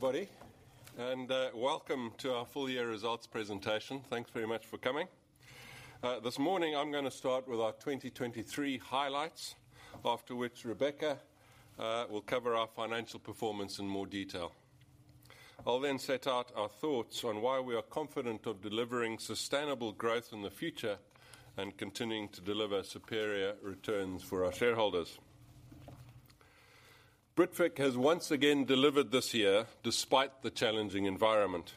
Everybody, and welcome to our full-year results presentation. Thanks very much for coming. This morning I'm gonna start with our 2023 highlights, after which Rebecca will cover our financial performance in more detail. I'll then set out our thoughts on why we are confident of delivering sustainable growth in the future and continuing to deliver superior returns for our shareholders. Britvic has once again delivered this year despite the challenging environment.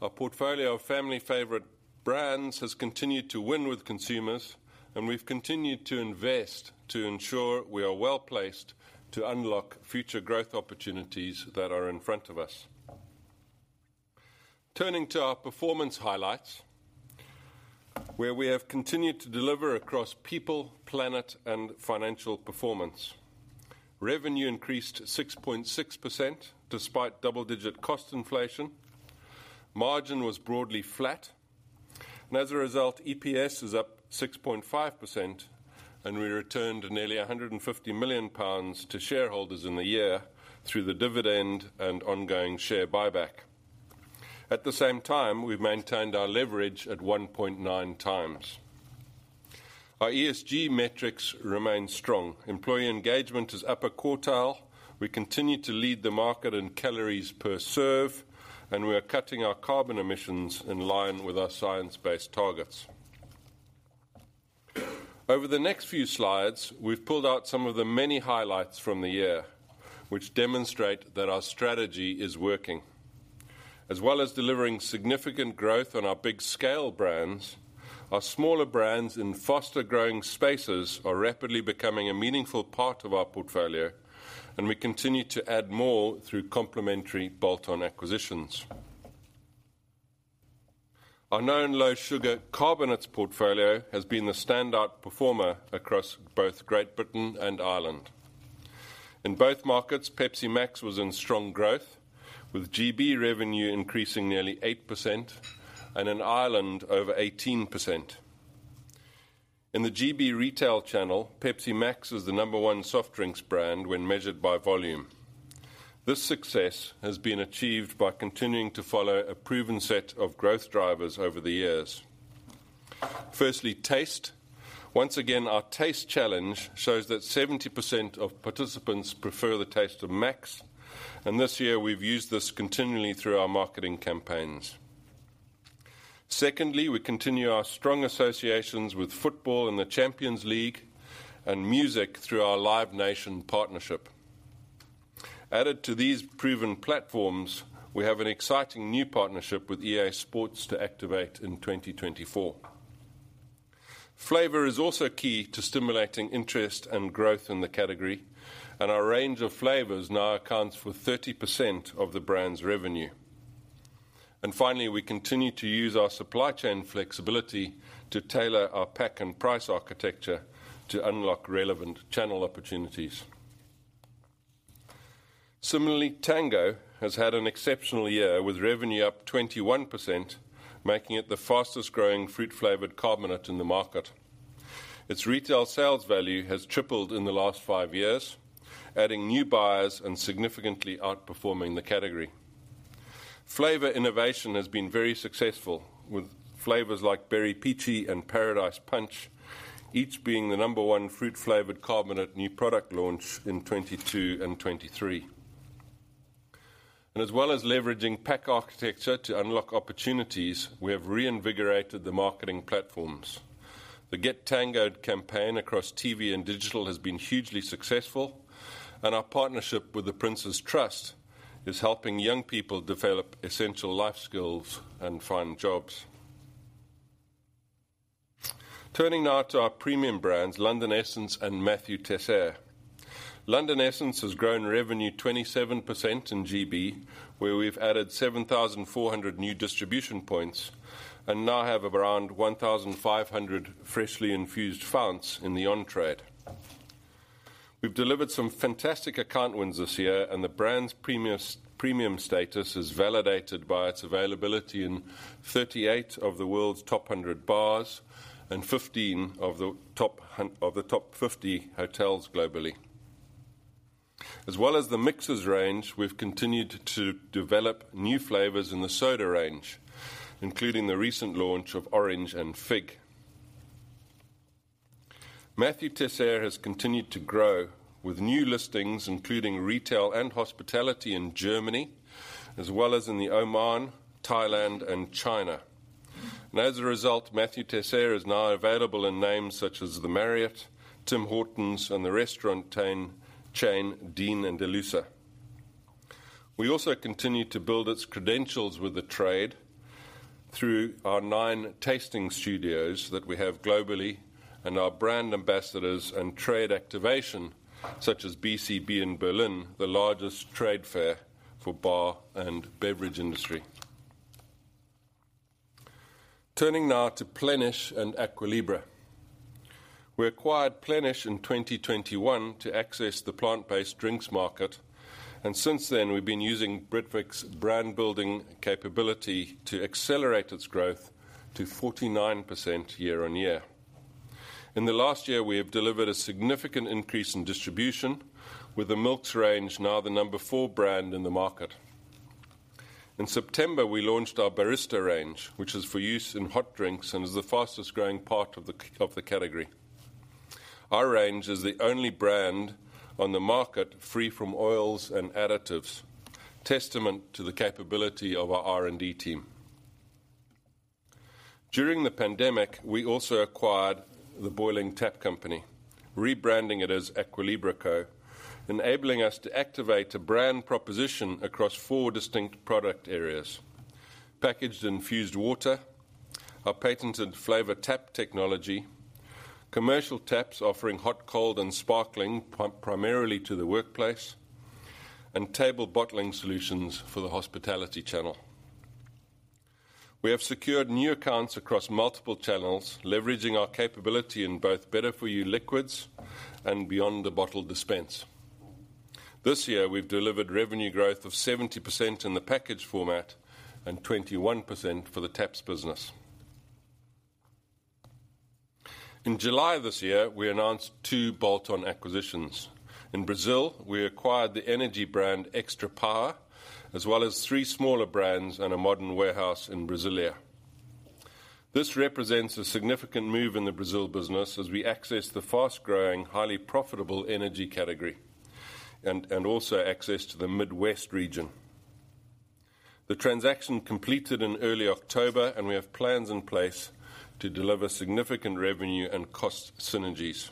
Our portfolio of Family Favourite brands has continued to win with consumers, and we've continued to invest to ensure we are well-placed to unlock future growth opportunities that are in front of us. Turning to our performance highlights, where we have continued to deliver across people, planet, and financial performance. Revenue increased 6.6% despite double-digit cost inflation. Margin was broadly flat, and as a result, EPS is up 6.5%, and we returned nearly 150 million pounds to shareholders in the year through the dividend and ongoing share buyback. At the same time, we've maintained our leverage at 1.9x. Our ESG metrics remain strong. Employee engagement is upper quartile, we continue to lead the market in calories per serve, and we are cutting our carbon emissions in line with our science-based targets. Over the next few slides, we've pulled out some of the many highlights from the year, which demonstrate that our strategy is working. As well as delivering significant growth on our big scale brands, our smaller brands in faster-growing spaces are rapidly becoming a meaningful part of our portfolio, and we continue to add more through complementary bolt-on acquisitions. Our known low-sugar carbonates portfolio has been the standout performer across both Great Britain and Ireland. In both markets, Pepsi MAX was in strong growth, with GB revenue increasing nearly 8%, and in Ireland, over 18%. In the GB retail channel, Pepsi MAX is the number one soft drinks brand when measured by volume. This success has been achieved by continuing to follow a proven set of growth drivers over the years. Firstly, taste. Once again, our taste challenge shows that 70% of participants prefer the taste of MAX, and this year we've used this continually through our marketing campaigns. Secondly, we continue our strong associations with football and the Champions League, and music through our Live Nation partnership. Added to these proven platforms, we have an exciting new partnership with EA Sports to activate in 2024. Flavor is also key to stimulating interest and growth in the category, and our range of flavors now accounts for 30% of the brand's revenue. Finally, we continue to use our supply chain flexibility to tailor our pack and price architecture to unlock relevant channel opportunities. Similarly, Tango has had an exceptional year, with revenue up 21%, making it the fastest-growing fruit-flavored carbonate in the market. Its retail sales value has tripled in the last 5 years, adding new buyers and significantly outperforming the category. Flavor innovation has been very successful, with flavors like Berry Peachy and Paradise Punch, each being the number one fruit-flavored carbonate new product launch in 2022 and 2023. As well as leveraging pack architecture to unlock opportunities, we have reinvigorated the marketing platforms. The Get Tangoed campaign across TV and digital has been hugely successful, and our partnership with the Prince's Trust is helping young people develop essential life skills and find jobs. Turning now to our premium brands, London Essence and Mathieu Teisseire. London Essence has grown revenue 27% in GB, where we've added 7,400 new distribution points and now have around 1,500 freshly infused founts in the on-trade. We've delivered some fantastic account wins this year, and the brand's premium status is validated by its availability in 38 of the world's top 100 bars and 15 of the top 50 hotels globally. As well as the mixers range, we've continued to develop new flavors in the soda range, including the recent launch of Orange and Fig. Mathieu Teisseire has continued to grow, with new listings, including retail and hospitality in Germany, as well as in Oman, Thailand, and China. And as a result, Mathieu Teisseire is now available in names such as the Marriott, Tim Hortons, and the restaurant chain, Dean & DeLuca. We also continue to build its credentials with the trade through our 9 tasting studios that we have globally, and our brand ambassadors and trade activation, such as BCB in Berlin, the largest trade fair for bar and beverage industry. Turning now to Plenish and Aqua Libra. We acquired Plenish in 2021 to access the plant-based drinks market, and since then, we've been using Britvic's brand-building capability to accelerate its growth to 49% year-on-year. In the last year, we have delivered a significant increase in distribution, with the Milks range now the number 4 brand in the market. In September, we launched our Barista range, which is for use in hot drinks and is the fastest growing part of the category. Our range is the only brand on the market free from oils and additives, testament to the capability of our R&D team. During the pandemic, we also acquired the Boiling Tap Company, rebranding it as Aqua Libra Co, enabling us to activate a brand proposition across four distinct product areas: packaged infused water, our patented flavor tap technology, commercial taps offering hot, cold, and sparkling, primarily to the workplace, and table bottling solutions for the hospitality channel. We have secured new accounts across multiple channels, leveraging our capability in both better-for-you liquids and beyond the bottle dispense. This year, we've delivered revenue growth of 70% in the package format and 21% for the taps business. In July this year, we announced two bolt-on acquisitions. In Brazil, we acquired the energy brand Extra Power, as well as three smaller brands and a modern warehouse in Brasília. This represents a significant move in the Brazil business as we access the fast-growing, highly profitable energy category, and also access to the Midwest region. The transaction completed in early October, and we have plans in place to deliver significant revenue and cost synergies.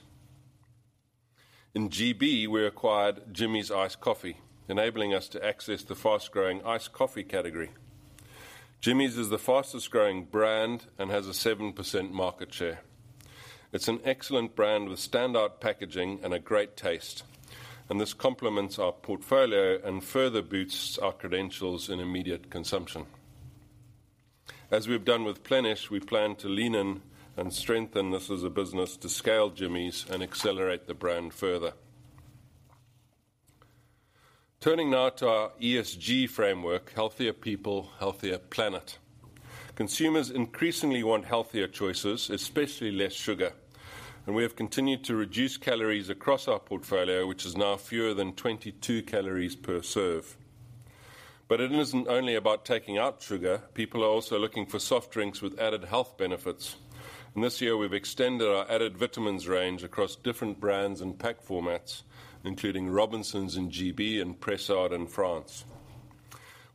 In GB, we acquired Jimmy's Iced Coffee, enabling us to access the fast-growing iced coffee category. Jimmy's is the fastest growing brand and has a 7% market share. It's an excellent brand with standout packaging and a great taste, and this complements our portfolio and further boosts our credentials in immediate consumption. As we've done with Plenish, we plan to lean in and strengthen this as a business to scale Jimmy's and accelerate the brand further. Turning now to our ESG framework, Healthier People, Healthier Planet. Consumers increasingly want healthier choices, especially less sugar, and we have continued to reduce calories across our portfolio, which is now fewer than 22 calories per serve. But it isn't only about taking out sugar. People are also looking for soft drinks with added health benefits, and this year we've extended our added vitamins range across different brands and pack formats, including Robinsons in GB and Pressade in France.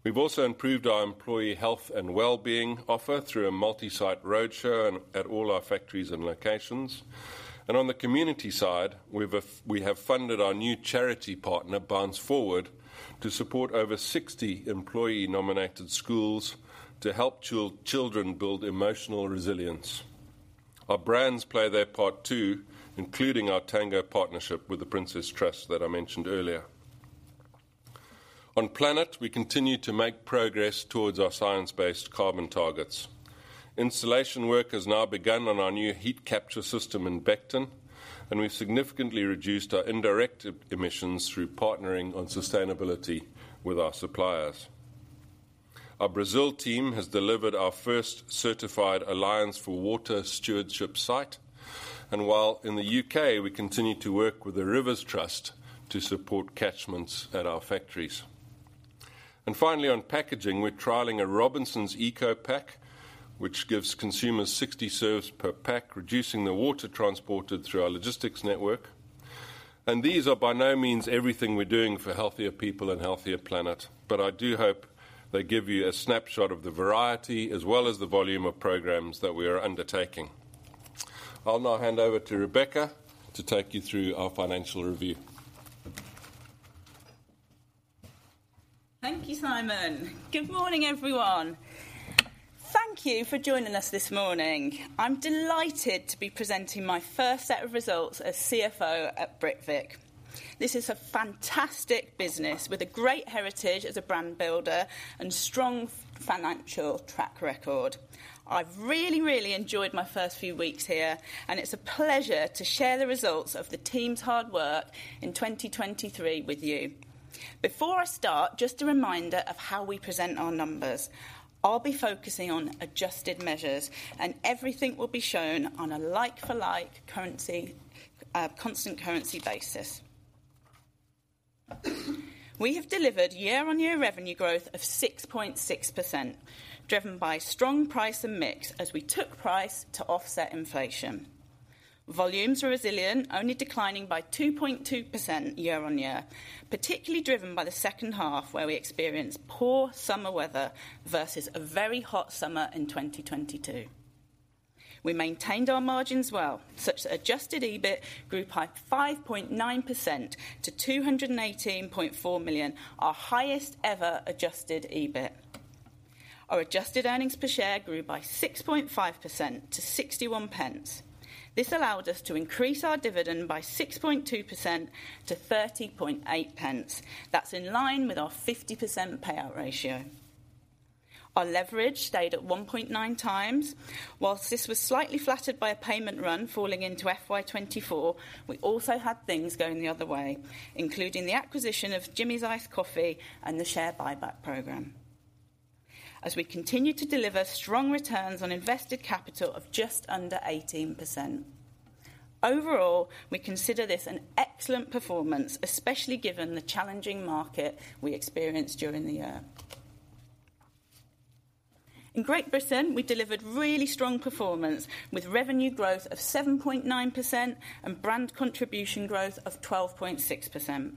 We've also improved our employee health and well-being offer through a multi-site roadshow and at all our factories and locations. On the community side, we have funded our new charity partner, Bounce Forward, to support over 60 employee-nominated schools to help children build emotional resilience. Our brands play their part, too, including our Tango partnership with the Prince's Trust that I mentioned earlier. On planet, we continue to make progress towards our science-based carbon targets. Installation work has now begun on our new heat capture system in Beckton, and we've significantly reduced our indirect emissions through partnering on sustainability with our suppliers. Our Brazil team has delivered our first certified Alliance for Water Stewardship site, and while in the UK, we continue to work with the Rivers Trust to support catchments at our factories. Finally, on packaging, we're trialing a Robinsons Ecopack, which gives consumers 60 serves per pack, reducing the water transported through our logistics network. These are by no means everything we're doing for healthier people and healthier planet, but I do hope they give you a snapshot of the variety as well as the volume of programs that we are undertaking. I'll now hand over to Rebecca to take you through our financial review. Thank you, Simon. Good morning, everyone. Thank you for joining us this morning. I'm delighted to be presenting my first set of results as CFO at Britvic. This is a fantastic business with a great heritage as a brand builder and strong financial track record. I've really, really enjoyed my first few weeks here, and it's a pleasure to share the results of the team's hard work in 2023 with you. Before I start, just a reminder of how we present our numbers. I'll be focusing on adjusted measures, and everything will be shown on a like-for-like currency, constant currency basis. We have delivered year-on-year revenue growth of 6.6%, driven by strong price and mix as we took price to offset inflation. Volumes are resilient, only declining by 2.2% year-on-year, particularly driven by the second half, where we experienced poor summer weather versus a very hot summer in 2022. We maintained our margins well, such that Adjusted EBIT grew by 5.9% to 218.4 million, our highest ever Adjusted EBIT. Our adjusted earnings per share grew by 6.5% to 0.61. This allowed us to increase our dividend by 6.2% to 0.308. That's in line with our 50% payout ratio. Our leverage stayed at 1.9x. While this was slightly flattered by a payment run falling into FY 2024, we also had things going the other way, including the acquisition of Jimmy's Iced Coffee and the share buyback program... As we continue to deliver strong returns on invested capital of just under 18%. Overall, we consider this an excellent performance, especially given the challenging market we experienced during the year. In Great Britain, we delivered really strong performance, with revenue growth of 7.9% and brand contribution growth of 12.6%.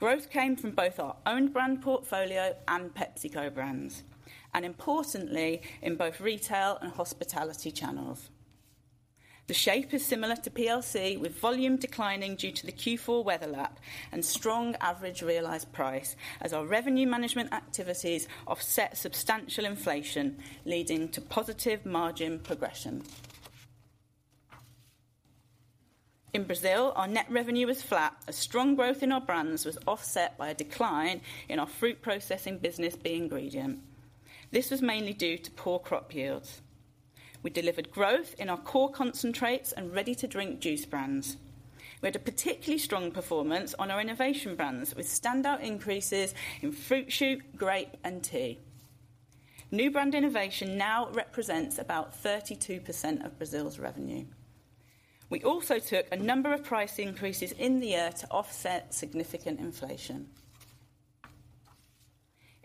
Growth came from both our own brand portfolio and PepsiCo brands, and importantly, in both retail and hospitality channels. The shape is similar to PLC, with volume declining due to the Q4 weather lap and strong average realized price as our revenue management activities offset substantial inflation, leading to positive margin progression. In Brazil, our net revenue was flat, as strong growth in our brands was offset by a decline in our fruit processing business, Be Ingredient. This was mainly due to poor crop yields. We delivered growth in our core concentrates and ready-to-drink juice brands. We had a particularly strong performance on our innovation brands, with standout increases in Fruit Shoot, grape, and tea. New brand innovation now represents about 32% of Brazil's revenue. We also took a number of price increases in the year to offset significant inflation.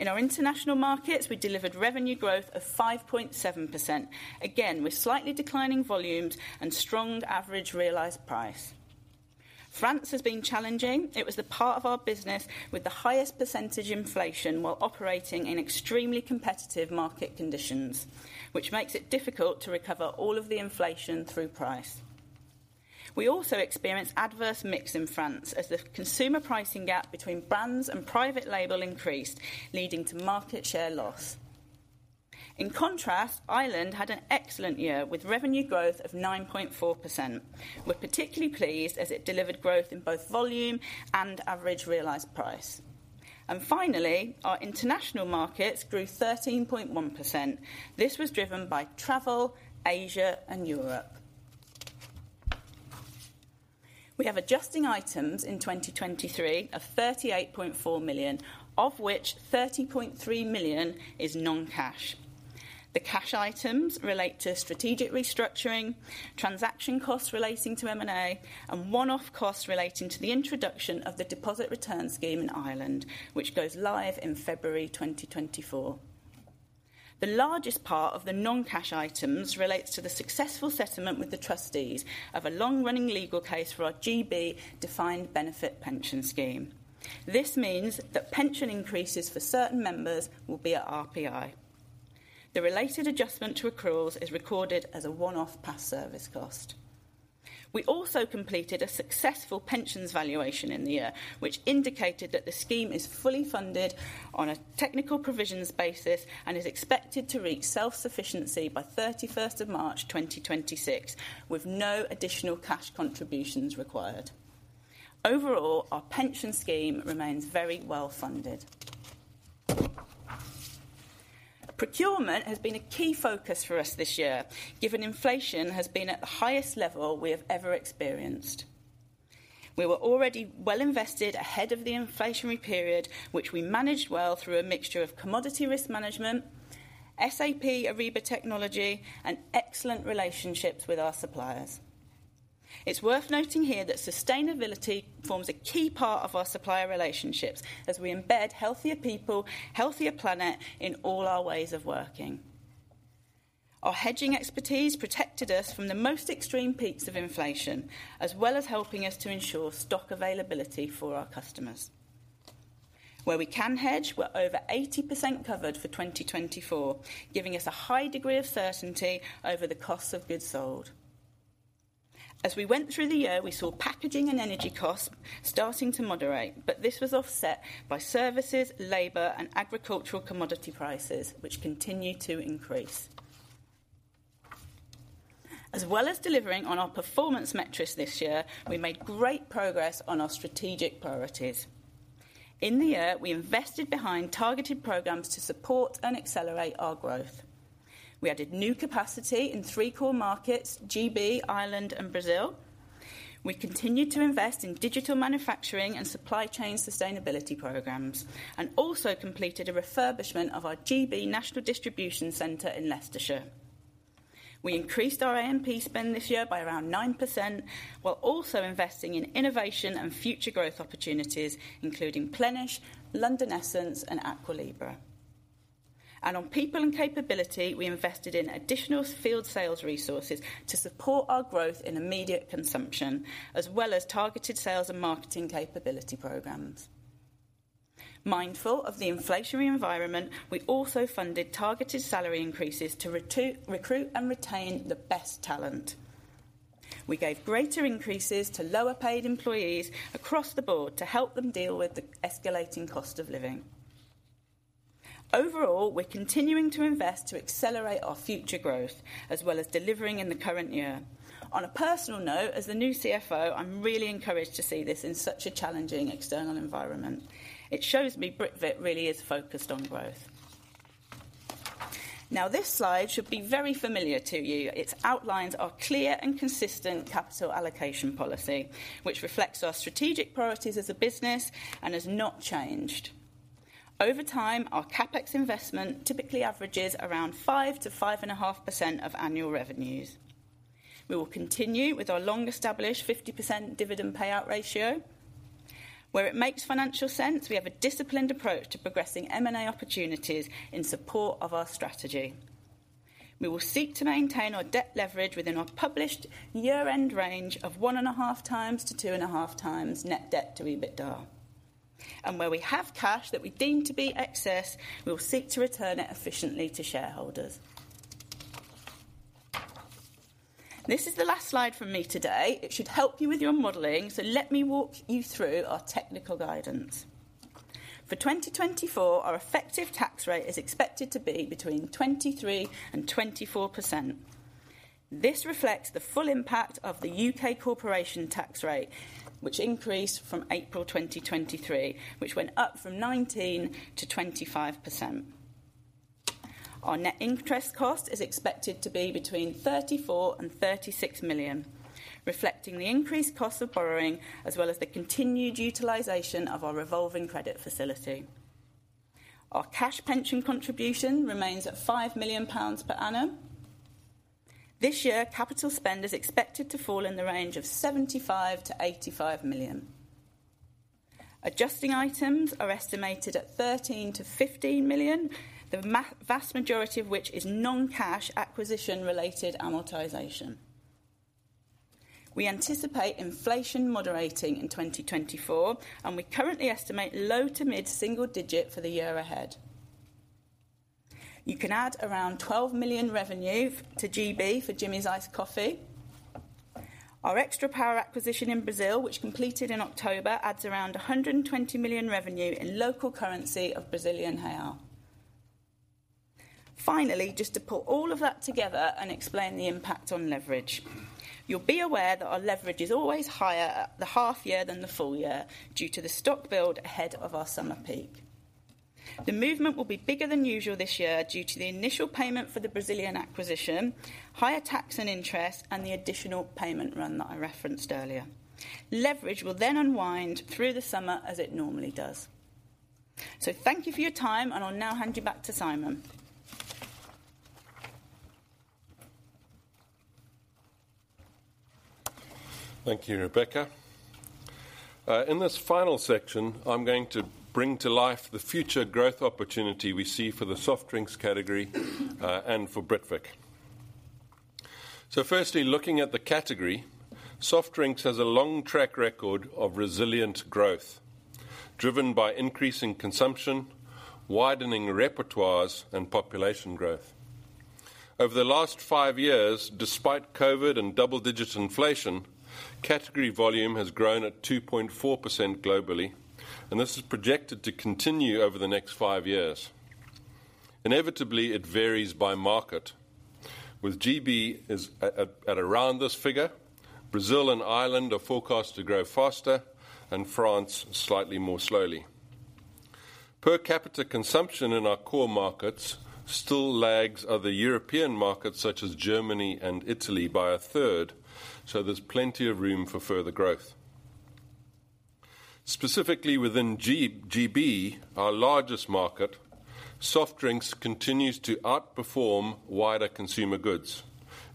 In our international markets, we delivered revenue growth of 5.7%, again, with slightly declining volumes and strong average realized price. France has been challenging. It was the part of our business with the highest percentage inflation, while operating in extremely competitive market conditions, which makes it difficult to recover all of the inflation through price. We also experienced adverse mix in France as the consumer pricing gap between brands and private label increased, leading to market share loss. In contrast, Ireland had an excellent year with revenue growth of 9.4%. We're particularly pleased as it delivered growth in both volume and average realized price. And finally, our international markets grew 13.1%. This was driven by travel, Asia, and Europe. We have adjusting items in 2023 of 38.4 million, of which 30.3 million is non-cash. The cash items relate to strategic restructuring, transaction costs relating to M&A, and one-off costs relating to the introduction of the deposit return scheme in Ireland, which goes live in February 2024. The largest part of the non-cash items relates to the successful settlement with the trustees of a long-running legal case for our GB Defined Benefit Pension Scheme. This means that pension increases for certain members will be at RPI. The related adjustment to accruals is recorded as a one-off past service cost. We also completed a successful pensions valuation in the year, which indicated that the scheme is fully funded on a Technical Provisions basis and is expected to reach self-sufficiency by March 31, 2026, with no additional cash contributions required. Overall, our pension scheme remains very well-funded. Procurement has been a key focus for us this year, given inflation has been at the highest level we have ever experienced. We were already well invested ahead of the inflationary period, which we managed well through a mixture of commodity risk management, SAP Ariba technology, and excellent relationships with our suppliers. It's worth noting here that sustainability forms a key part of our supplier relationships as we embed healthier people, healthier planet in all our ways of working. Our hedging expertise protected us from the most extreme peaks of inflation, as well as helping us to ensure stock availability for our customers. Where we can hedge, we're over 80% covered for 2024, giving us a high degree of certainty over the cost of goods sold. As we went through the year, we saw packaging and energy costs starting to moderate, but this was offset by services, labor, and agricultural commodity prices, which continued to increase. As well as delivering on our performance metrics this year, we made great progress on our strategic priorities. In the year, we invested behind targeted programs to support and accelerate our growth. We added new capacity in three core markets, GB, Ireland, and Brazil. We continued to invest in digital manufacturing and supply chain sustainability programs, and also completed a refurbishment of our GB National Distribution Center in Leicestershire. We increased our AMP spend this year by around 9%, while also investing in innovation and future growth opportunities, including Plenish, London Essence, and Aqua Libra. And on people and capability, we invested in additional field sales resources to support our growth in immediate consumption, as well as targeted sales and marketing capability programs. Mindful of the inflationary environment, we also funded targeted salary increases to recruit and retain the best talent. We gave greater increases to lower-paid employees across the board to help them deal with the escalating cost of living. Overall, we're continuing to invest to accelerate our future growth, as well as delivering in the current year. On a personal note, as the new CFO, I'm really encouraged to see this in such a challenging external environment. It shows me Britvic really is focused on growth.... Now, this slide should be very familiar to you. It outlines our clear and consistent capital allocation policy, which reflects our strategic priorities as a business and has not changed. Over time, our CapEx investment typically averages around 5%-5.5% of annual revenues. We will continue with our long-established 50% dividend payout ratio. Where it makes financial sense, we have a disciplined approach to progressing M&A opportunities in support of our strategy. We will seek to maintain our debt leverage within our published year-end range of 1.5x-2.5x net debt to EBITDA. Where we have cash that we deem to be excess, we will seek to return it efficiently to shareholders. This is the last slide from me today. It should help you with your modeling, so let me walk you through our technical guidance. For 2024, our effective tax rate is expected to be between 23% and 24%. This reflects the full impact of the UK corporation tax rate, which increased from April 2023, which went up from 19%-25%. Our net interest cost is expected to be between 34-36 million, reflecting the increased cost of borrowing, as well as the continued utilization of our revolving credit facility. Our cash pension contribution remains at 5 million pounds per annum. This year, capital spend is expected to fall in the range of 75- 85 million. Adjusting items are estimated at 13-15 million, the vast majority of which is non-cash, acquisition-related amortization. We anticipate inflation moderating in 2024, and we currently estimate low- to mid-single-digit for the year ahead. You can add around 12 million revenue to GB for Jimmy's Iced Coffee. Our Extra Power acquisition in Brazil, which completed in October, adds around 120 million revenue in local currency of Brazilian real. Finally, just to pull all of that together and explain the impact on leverage. You'll be aware that our leverage is always higher at the half year than the full year due to the stock build ahead of our summer peak. The movement will be bigger than usual this year due to the initial payment for the Brazilian acquisition, higher tax and interest, and the additional payment run that I referenced earlier. Leverage will then unwind through the summer as it normally does. So thank you for your time, and I'll now hand you back to Simon. Thank you, Rebecca. In this final section, I'm going to bring to life the future growth opportunity we see for the soft drinks category, and for Britvic. So firstly, looking at the category, soft drinks has a long track record of resilient growth, driven by increasing consumption, widening repertoires, and population growth. Over the last five years, despite COVID and double-digit inflation, category volume has grown at 2.4% globally, and this is projected to continue over the next five years. Inevitably, it varies by market, with GB is at around this figure, Brazil and Ireland are forecast to grow faster, and France slightly more slowly. Per capita consumption in our core markets still lags other European markets, such as Germany and Italy, by a third, so there's plenty of room for further growth. Specifically within GB, our largest market, soft drinks continues to outperform wider consumer goods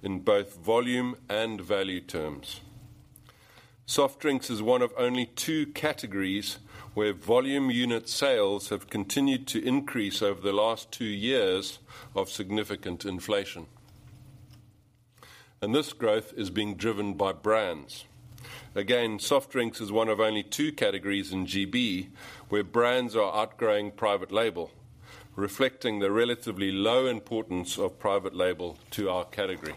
in both volume and value terms. Soft drinks is one of only 2 categories where volume unit sales have continued to increase over the last 2 years of significant inflation, and this growth is being driven by brands. Again, soft drinks is one of only 2 categories in GB where brands are outgrowing private label, reflecting the relatively low importance of private label to our category.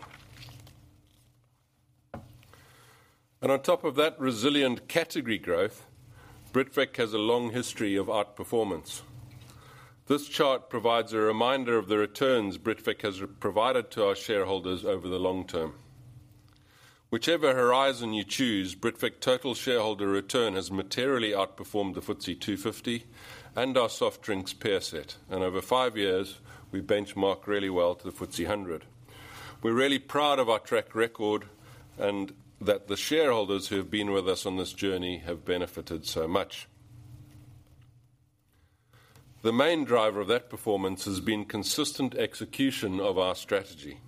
And on top of that resilient category growth, Britvic has a long history of outperformance. This chart provides a reminder of the returns Britvic has provided to our shareholders over the long term. Whichever horizon you choose, Britvic total shareholder return has materially outperformed the FTSE 250 and our soft drinks peer set, and over 5 years, we benchmark really well to the FTSE 100. We're really proud of our track record and that the shareholders who have been with us on this journey have benefited so much. The main driver of that performance has been consistent execution of our strategy.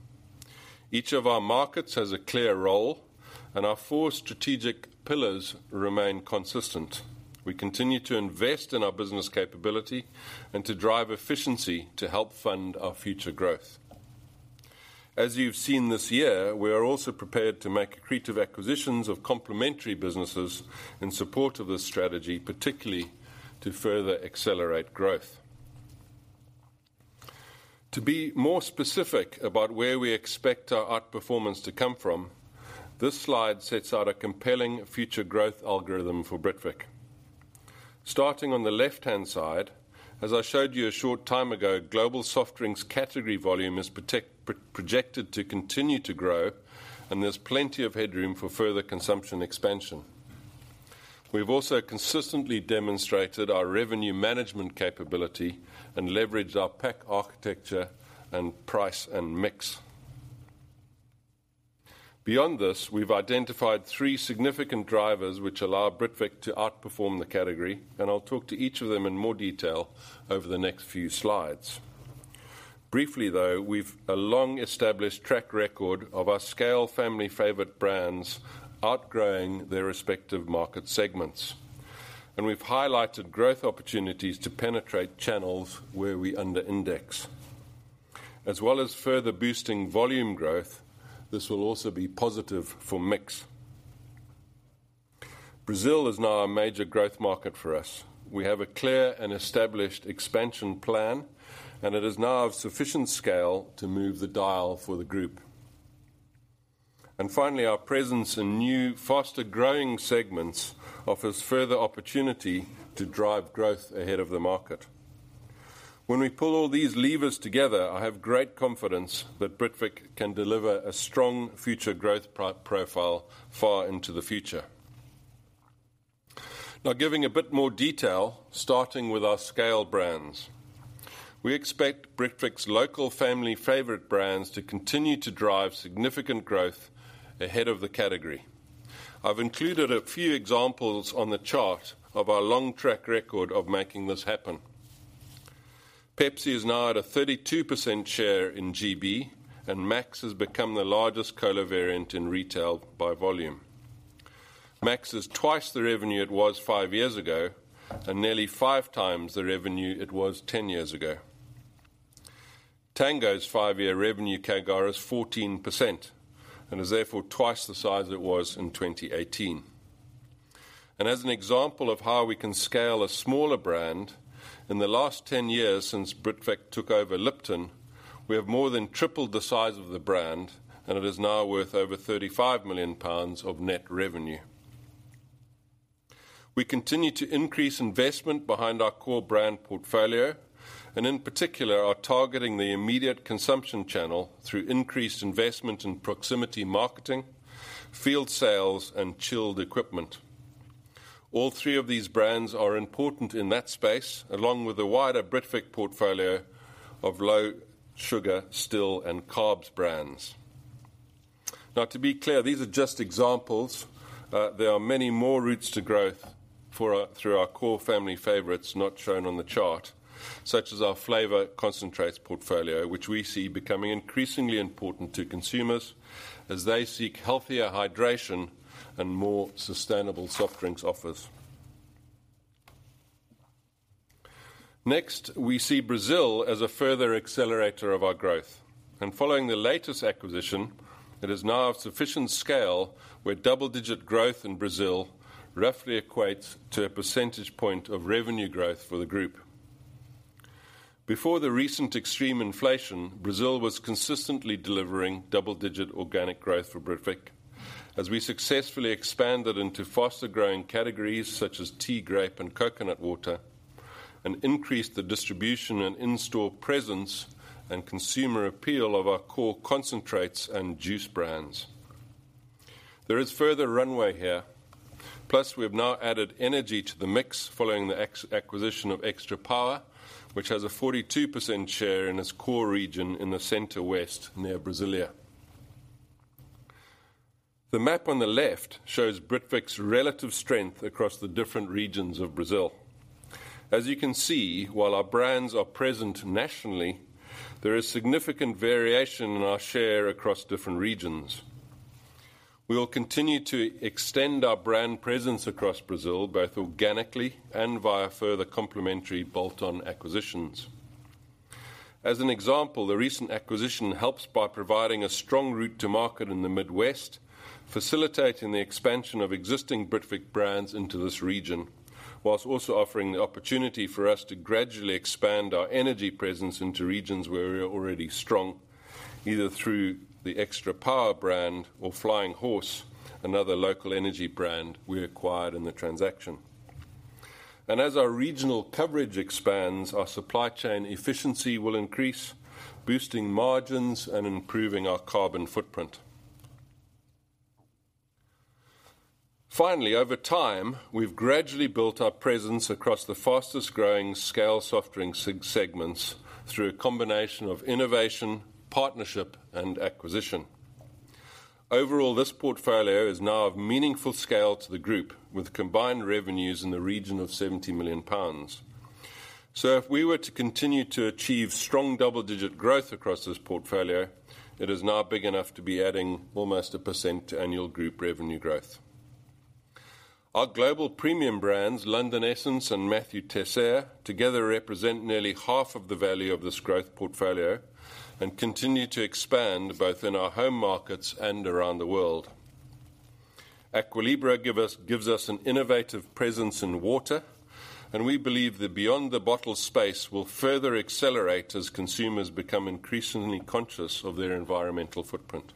Each of our markets has a clear role, and our four strategic pillars remain consistent. We continue to invest in our business capability and to drive efficiency to help fund our future growth. As you've seen this year, we are also prepared to make accretive acquisitions of complementary businesses in support of this strategy, particularly to further accelerate growth. To be more specific about where we expect our outperformance to come from, this slide sets out a compelling future growth algorithm for Britvic. Starting on the left-hand side, as I showed you a short time ago, global soft drinks category volume is projected to continue to grow, and there's plenty of headroom for further consumption expansion. We've also consistently demonstrated our revenue management capability and leveraged our pack architecture and price and mix. Beyond this, we've identified three significant drivers which allow Britvic to outperform the category, and I'll talk to each of them in more detail over the next few slides. Briefly, though, we've a long-established track record of our scale Family Favourite brands outgrowing their respective market segments, and we've highlighted growth opportunities to penetrate channels where we under index. As well as further boosting volume growth, this will also be positive for mix. Brazil is now a major growth market for us. We have a clear and established expansion plan, and it is now of sufficient scale to move the dial for the group. And finally, our presence in new, faster-growing segments offers further opportunity to drive growth ahead of the market. When we pull all these levers together, I have great confidence that Britvic can deliver a strong future growth profile far into the future. Now, giving a bit more detail, starting with our scale brands. We expect Britvic's local Family Favourite brands to continue to drive significant growth ahead of the category. I've included a few examples on the chart of our long track record of making this happen. Pepsi is now at a 32% share in GB, and MAX has become the largest cola variant in retail by volume. MAX is twice the revenue it was 5 years ago, and nearly 5x the revenue it was 10 years ago. Tango's 5-year revenue CAGR is 14%, and is therefore twice the size it was in 2018. As an example of how we can scale a smaller brand, in the last 10 years, since Britvic took over Lipton, we have more than tripled the size of the brand, and it is now worth over 35 million pounds of net revenue. We continue to increase investment behind our core brand portfolio, and in particular, are targeting the immediate consumption channel through increased investment in proximity marketing, field sales, and chilled equipment. All three of these brands are important in that space, along with the wider Britvic portfolio of low sugar, still, and carbs brands. Now, to be clear, these are just examples. There are many more routes to growth through our core Family Favourites not shown on the chart, such as our flavor concentrates portfolio, which we see becoming increasingly important to consumers as they seek healthier hydration and more sustainable soft drinks offers. Next, we see Brazil as a further accelerator of our growth, and following the latest acquisition, it is now of sufficient scale, where double-digit growth in Brazil roughly equates to a percentage point of revenue growth for the group. Before the recent extreme inflation, Brazil was consistently delivering double-digit organic growth for Britvic, as we successfully expanded into faster-growing categories such as tea, grape, and coconut water, and increased the distribution and in-store presence and consumer appeal of our core concentrates and juice brands. There is further runway here, plus we have now added energy to the mix following the acquisition of Extra Power, which has a 42% share in its core region in the Center-West, near Brasília. The map on the left shows Britvic's relative strength across the different regions of Brazil. As you can see, while our brands are present nationally, there is significant variation in our share across different regions. We will continue to extend our brand presence across Brazil, both organically and via further complementary bolt-on acquisitions. As an example, the recent acquisition helps by providing a strong route to market in the Midwest, facilitating the expansion of existing Britvic brands into this region, whilst also offering the opportunity for us to gradually expand our energy presence into regions where we are already strong, either through the Extra Power brand or Flying Horse, another local energy brand we acquired in the transaction. And as our regional coverage expands, our supply chain efficiency will increase, boosting margins and improving our carbon footprint. Finally, over time, we've gradually built our presence across the fastest-growing scale soft drink segments through a combination of innovation, partnership, and acquisition. Overall, this portfolio is now of meaningful scale to the group, with combined revenues in the region of 70 million pounds. So if we were to continue to achieve strong double-digit growth across this portfolio, it is now big enough to be adding almost 1% to annual group revenue growth. Our global premium brands, London Essence and Mathieu Teisseire, together represent nearly half of the value of this growth portfolio and continue to expand both in our home markets and around the world. Aqua Libra gives us an innovative presence in water, and we believe the beyond the bottle space will further accelerate as consumers become increasingly conscious of their environmental footprint.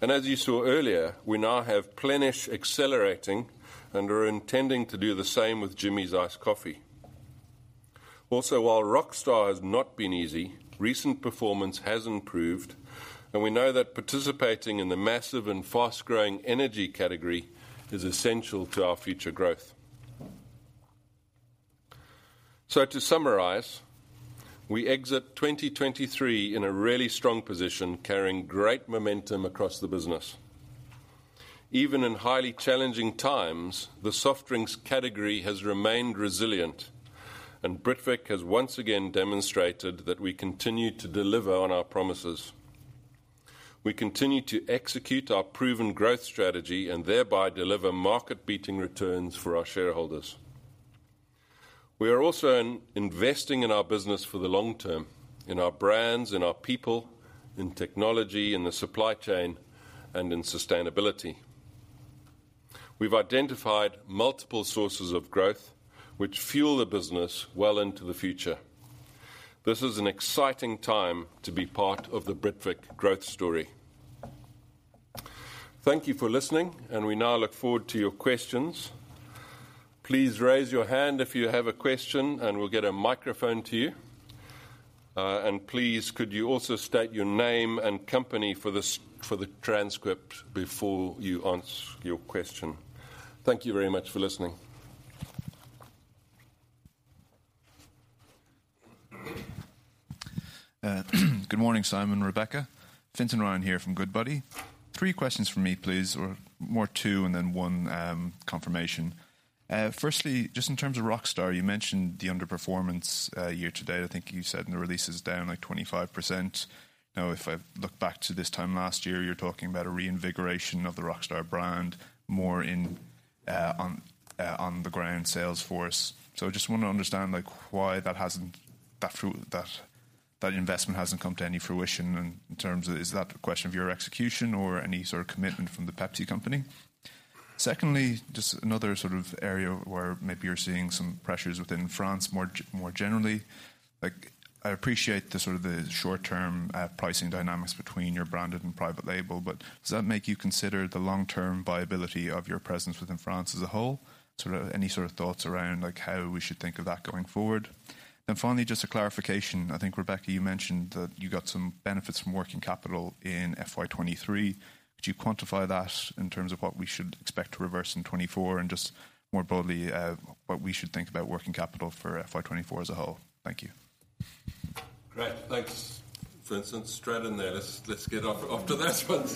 As you saw earlier, we now have Plenish accelerating and are intending to do the same with Jimmy's Iced Coffee.... Also, while Rockstar has not been easy, recent performance has improved, and we know that participating in the massive and fast-growing energy category is essential to our future growth. So to summarize, we exit 2023 in a really strong position, carrying great momentum across the business. Even in highly challenging times, the soft drinks category has remained resilient, and Britvic has once again demonstrated that we continue to deliver on our promises. We continue to execute our proven growth strategy and thereby deliver market-beating returns for our shareholders. We are also investing in our business for the long term, in our brands, in our people, in technology, in the supply chain, and in sustainability. We've identified multiple sources of growth, which fuel the business well into the future. This is an exciting time to be part of the Britvic growth story. Thank you for listening, and we now look forward to your questions. Please raise your hand if you have a question, and we'll get a microphone to you. Please, could you also state your name and company for this, for the transcript before you answer your question? Thank you very much for listening. Good morning, Simon, Rebecca. Fintan Ryan here from Goodbody. Three questions from me, please, or more two and then one, confirmation. Firstly, just in terms of Rockstar, you mentioned the underperformance, year to date. I think you said in the release is down, like, 25%. Now, if I look back to this time last year, you're talking about a reinvigoration of the Rockstar brand, more on the ground sales force. So I just want to understand, like, why that hasn't, that, that investment hasn't come to any fruition, and in terms of is that a question of your execution or any sort of commitment from the Pepsi company? Secondly, just another sort of area where maybe you're seeing some pressures within France, more generally. Like, I appreciate the, sort of the short-term, pricing dynamics between your branded and private label, but does that make you consider the long-term viability of your presence within France as a whole? Sort of any sort of thoughts around, like, how we should think of that going forward? Then finally, just a clarification. I think, Rebecca, you mentioned that you got some benefits from working capital in FY 2023. Could you quantify that in terms of what we should expect to reverse in 2024, and just more broadly, what we should think about working capital for FY 2024 as a whole? Thank you. Great! Thanks, Fintan. Straight in there. Let's get onto that one.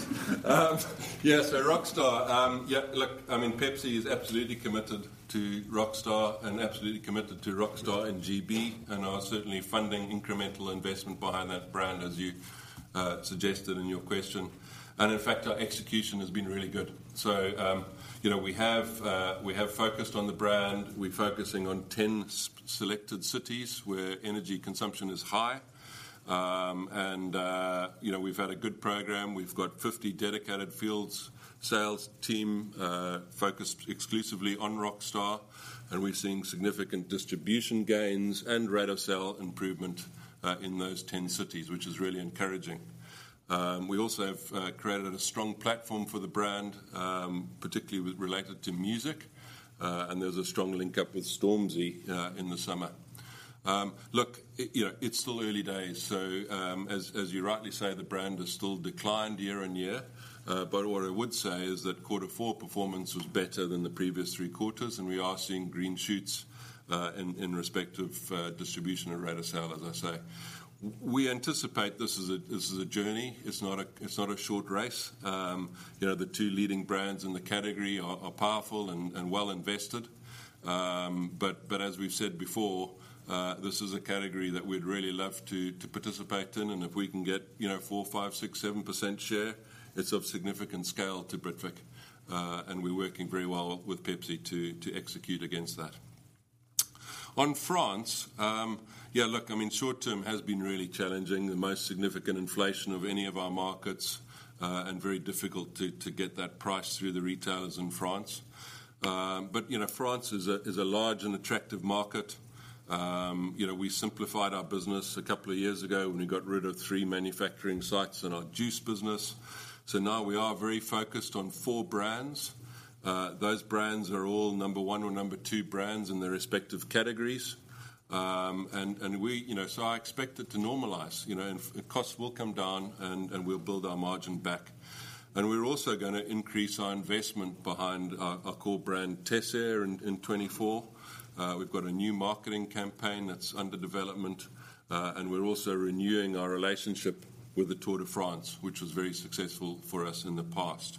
Yeah, so Rockstar, look, I mean, Pepsi is absolutely committed to Rockstar and absolutely committed to Rockstar in GB and are certainly funding incremental investment behind that brand, as you suggested in your question. And in fact, our execution has been really good. So, you know, we have focused on the brand. We're focusing on 10 selected cities where energy consumption is high. And, you know, we've had a good program. We've got 50 dedicated field sales team focused exclusively on Rockstar, and we're seeing significant distribution gains and rate of sale improvement in those 10 cities, which is really encouraging. We also have created a strong platform for the brand, particularly related to music, and there's a strong link up with Stormzy in the summer. Look, you know, it's still early days, so, as you rightly say, the brand has still declined year-on-year. But what I would say is that quarter four performance was better than the previous three quarters, and we are seeing green shoots in respect of distribution and rate of sale, as I say. We anticipate this is a journey. It's not a short race. You know, the two leading brands in the category are powerful and well invested. But as we've said before, this is a category that we'd really love to participate in, and if we can get, you know, 4%-7% share, it's of significant scale to Britvic, and we're working very well with Pepsi to execute against that. On France, yeah, look, I mean, short term has been really challenging, the most significant inflation of any of our markets, and very difficult to get that price through the retailers in France. But, you know, France is a large and attractive market. You know, we simplified our business a couple of years ago when we got rid of three manufacturing sites in our juice business. So now we are very focused on four brands. Those brands are all number one or number two brands in their respective categories. You know, so I expect it to normalize, you know, and costs will come down, and we'll build our margin back. And we're also gonna increase our investment behind our core brand, Teisseire, in 2024. We've got a new marketing campaign that's under development, and we're also renewing our relationship with the Tour de France, which was very successful for us in the past.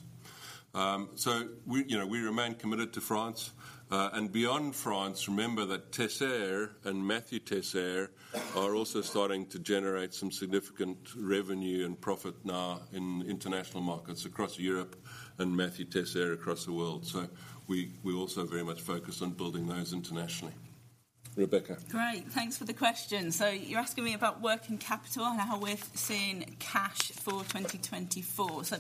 So we, you know, we remain committed to France, and beyond France, remember that Teisseire and Mathieu Teisseire are also starting to generate some significant revenue and profit now in international markets across Europe and Mathieu Teisseire across the world. So we also very much focused on building those internationally… Rebecca? Great, thanks for the question. So, you're asking me about working capital and how we're seeing cash for 2024. So,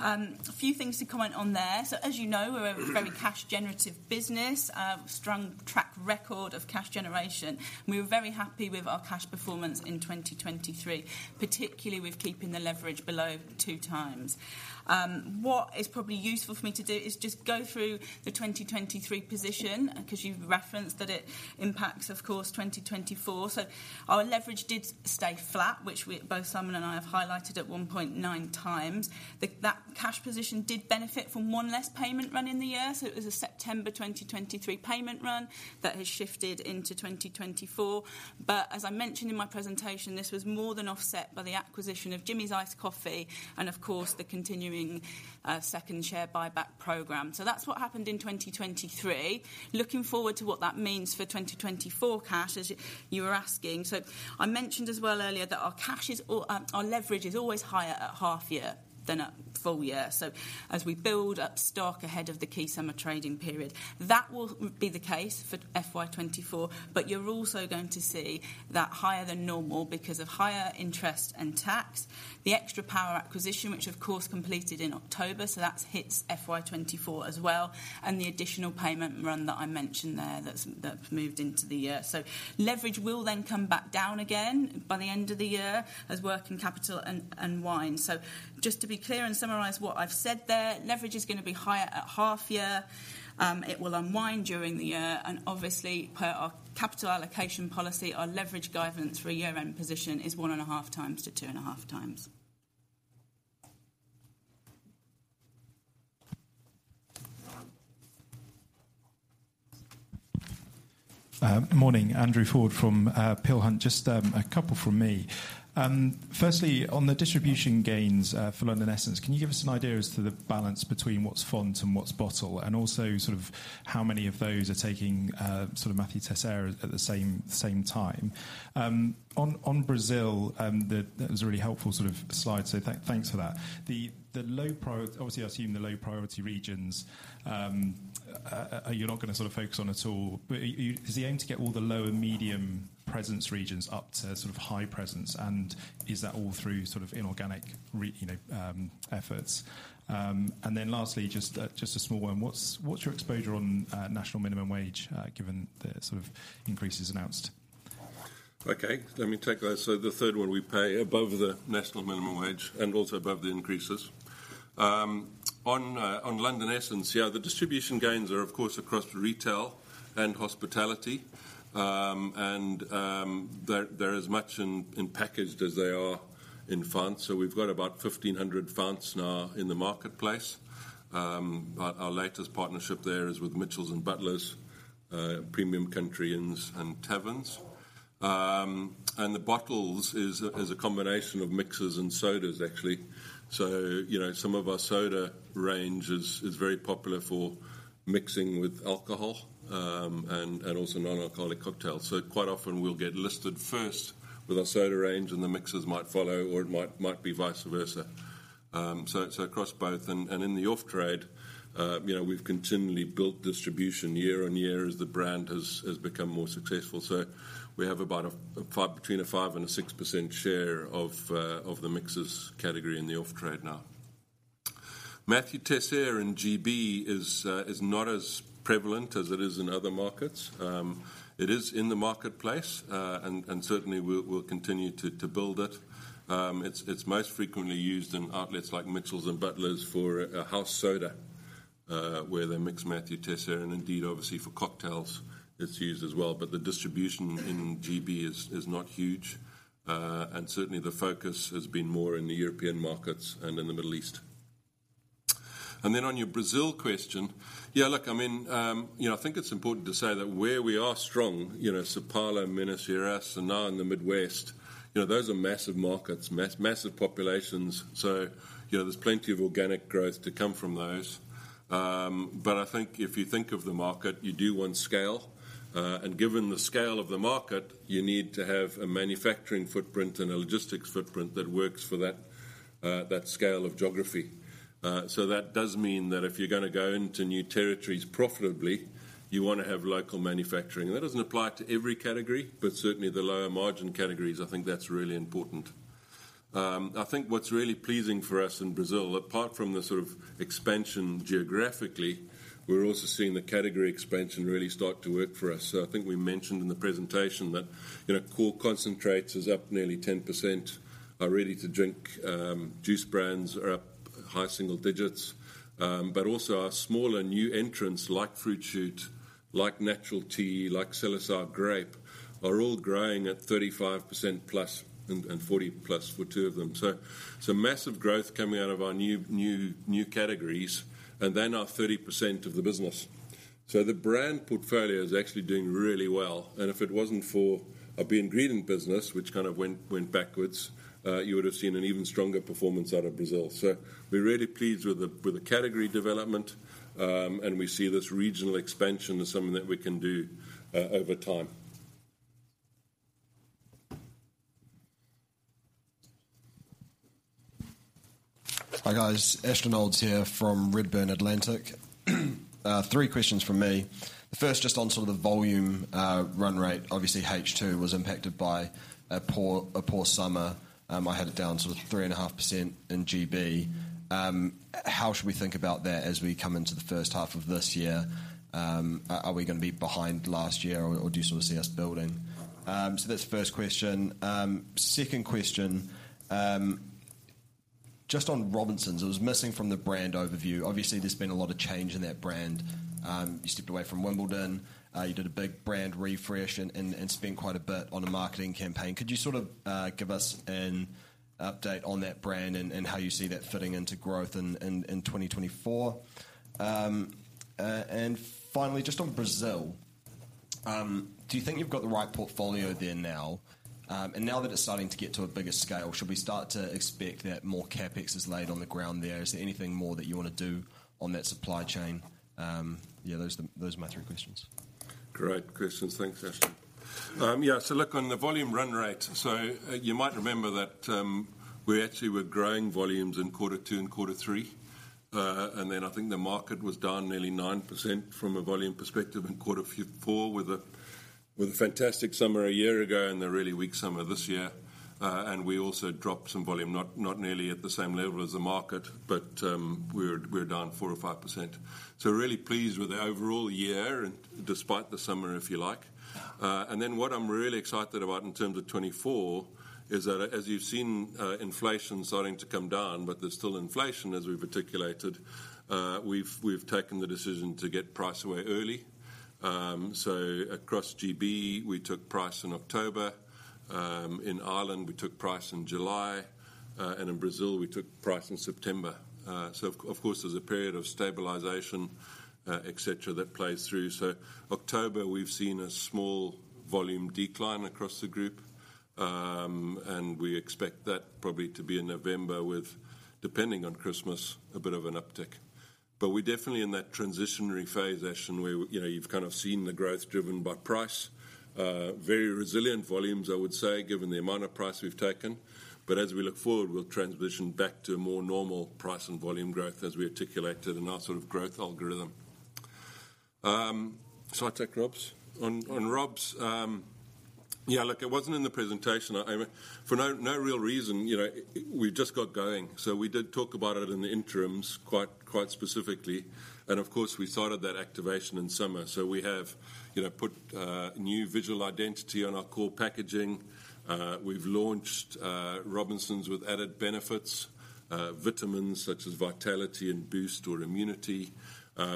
a few things to comment on there. So, as you know, we're a very cash generative business, strong track record of cash generation. We were very happy with our cash performance in 2023, particularly with keeping the leverage below 2x. What is probably useful for me to do is just go through the 2023 position, because you've referenced that it impacts, of course, 2024. So our leverage did stay flat, which we both Simon and I have highlighted at 1.9x. That cash position did benefit from one less payment run in the year, so it was a September 2023 payment run that has shifted into 2024. But as I mentioned in my presentation, this was more than offset by the acquisition of Jimmy's Iced Coffee and of course, the continuing, second share buyback program. So that's what happened in 2023. Looking forward to what that means for 2024 cash, as you were asking. So I mentioned as well earlier, that our cash is, our leverage is always higher at half year than at full year. So as we build up stock ahead of the key summer trading period, that will be the case for FY 2024. But you're also going to see that higher than normal because of higher interest and tax, the Extra Power acquisition, which of course, completed in October, so that hits FY 2024 as well, and the additional payment run that I mentioned there, that's, that moved into the year. So leverage will then come back down again by the end of the year as working capital unwind. So just to be clear and summarize what I've said there, leverage is going to be higher at half year. It will unwind during the year, and obviously, per our capital allocation policy, our leverage guidance for a year-end position is 1.5x-2.5x. Morning, Andrew Ford from Peel Hunt. Just a couple from me. Firstly, on the distribution gains for London Essence, can you give us an idea as to the balance between what's fount and what's bottle? And also, sort of how many of those are taking sort of Mathieu Teisseire at the same time. On Brazil, that was a really helpful sort of slide, so thanks for that. The low priority regions, obviously, I assume you're not gonna sort of focus on at all. But is the aim to get all the low and medium presence regions up to sort of high presence, and is that all through sort of inorganic efforts? You know. And then lastly, just a small one. What's your exposure on National Minimum Wage, given the sort of increases announced? Okay, let me take that. So the third one, we pay above the National Minimum Wage and also above the increases. On London Essence, yeah, the distribution gains are, of course, across retail and hospitality. And they're as much in packaged as they are in fount. So we've got about 1,500 founts now in the marketplace. Our latest partnership there is with Mitchells & Butlers, premium country inns and taverns. And the bottles is a combination of mixers and sodas, actually. So, you know, some of our soda range is very popular for mixing with alcohol, and also non-alcoholic cocktails. So quite often we'll get listed first with our soda range, and the mixers might follow, or it might be vice versa. So across both and in the off-trade, you know, we've continually built distribution year-on-year as the brand has become more successful. So, we have about between a 5% and a 6% share of the mixers category in the off-trade now. Mathieu Teisseire in GB is not as prevalent as it is in other markets. It is in the marketplace, and certainly we'll continue to build it. It's most frequently used in outlets like Mitchells & Butlers for a house soda, where they mix Mathieu Teisseire, and indeed, obviously for cocktails it's used as well. But the distribution in GB is not huge, and certainly the focus has been more in the European markets and in the Middle East. And then on your Brazil question, yeah, look, I mean, you know, I think it's important to say that where we are strong, you know, São Paulo, Minas Gerais, and now in the Midwest, you know, those are massive markets, massive populations. So, you know, there's plenty of organic growth to come from those. But I think if you think of the market, you do want scale, and given the scale of the market, you need to have a manufacturing footprint and a logistics footprint that works for that, that scale of geography. So that does mean that if you're gonna go into new territories profitably, you want to have local manufacturing. That doesn't apply to every category, but certainly the lower margin categories, I think that's really important. I think what's really pleasing for us in Brazil, apart from the sort of expansion geographically, we're also seeing the category expansion really start to work for us. So I think we mentioned in the presentation that, you know, core concentrates is up nearly 10%, our ready-to-drink juice brands are up high single digits. But also our smaller new entrants, like Fruit Shoot, like Natural Tea, like Celisa Grape, are all growing at 35%+ and 40+ for two of them. So massive growth coming out of our new categories, and they're now 30% of the business. So the brand portfolio is actually doing really well, and if it wasn't for our ingredient business, which kind of went backwards, you would have seen an even stronger performance out of Brazil. So we're really pleased with the category development, and we see this regional expansion as something that we can do over time. Hi, guys, Ashton Olds here from Redburn Atlantic. Three questions from me. First, just on sort of the volume run rate. Obviously, H2 was impacted by a poor summer. I had it down to sort of 3.5% in GB. How should we think about that as we come into the first half of this year? Are we gonna be behind last year, or do you sort of see us building? So that's the first question. Second question, just on Robinsons, it was missing from the brand overview. Obviously, there's been a lot of change in that brand. You stepped away from Wimbledon, you did a big brand refresh and spent quite a bit on a marketing campaign. Could you sort of give us an update on that brand and how you see that fitting into growth in 2024? And finally, just on Brazil, do you think you've got the right portfolio there now? And now that it's starting to get to a bigger scale, should we start to expect that more CapEx is laid on the ground there? Is there anything more that you want to do on that supply chain? Yeah, those are my three questions. Great questions. Thanks, Ashton. Yeah, so look, on the volume run rate, so, you might remember that we actually were growing volumes in quarter two and quarter three. And then I think the market was down nearly 9% from a volume perspective in quarter four, with a fantastic summer a year ago and a really weak summer this year. And we also dropped some volume, not nearly at the same level as the market, but we're down 4%-5%. So, we're really pleased with the overall year and despite the summer, if you like. And then what I'm really excited about in terms of 2024, is that as you've seen, inflation starting to come down, but there's still inflation, as we've articulated, we've taken the decision to get price away early. So, across GB, we took price in October, in Ireland, we took price in July, and in Brazil, we took price in September. So of course, there's a period of stabilization, et cetera, that plays through. So, October, we've seen a small volume decline across the group, and we expect that probably to be in November with, depending on Christmas, a bit of an uptick. But we're definitely in that transitionary phase, Ashton, where, you know, you've kind of seen the growth driven by price. Very resilient volumes, I would say, given the amount of price we've taken. But as we look forward, we'll transition back to a more normal price and volume growth as we articulated in our sort of growth algorithm. So, I take Rob's. On Rob's, yeah, look, it wasn't in the presentation. I... For no real reason, you know, we've just got going. So, we did talk about it in the interims, quite specifically, and of course, we started that activation in summer. So we have, you know, put new visual identity on our core packaging. We've launched Robinsons with added benefits, vitamins such as Vitality and Boost or Immunity.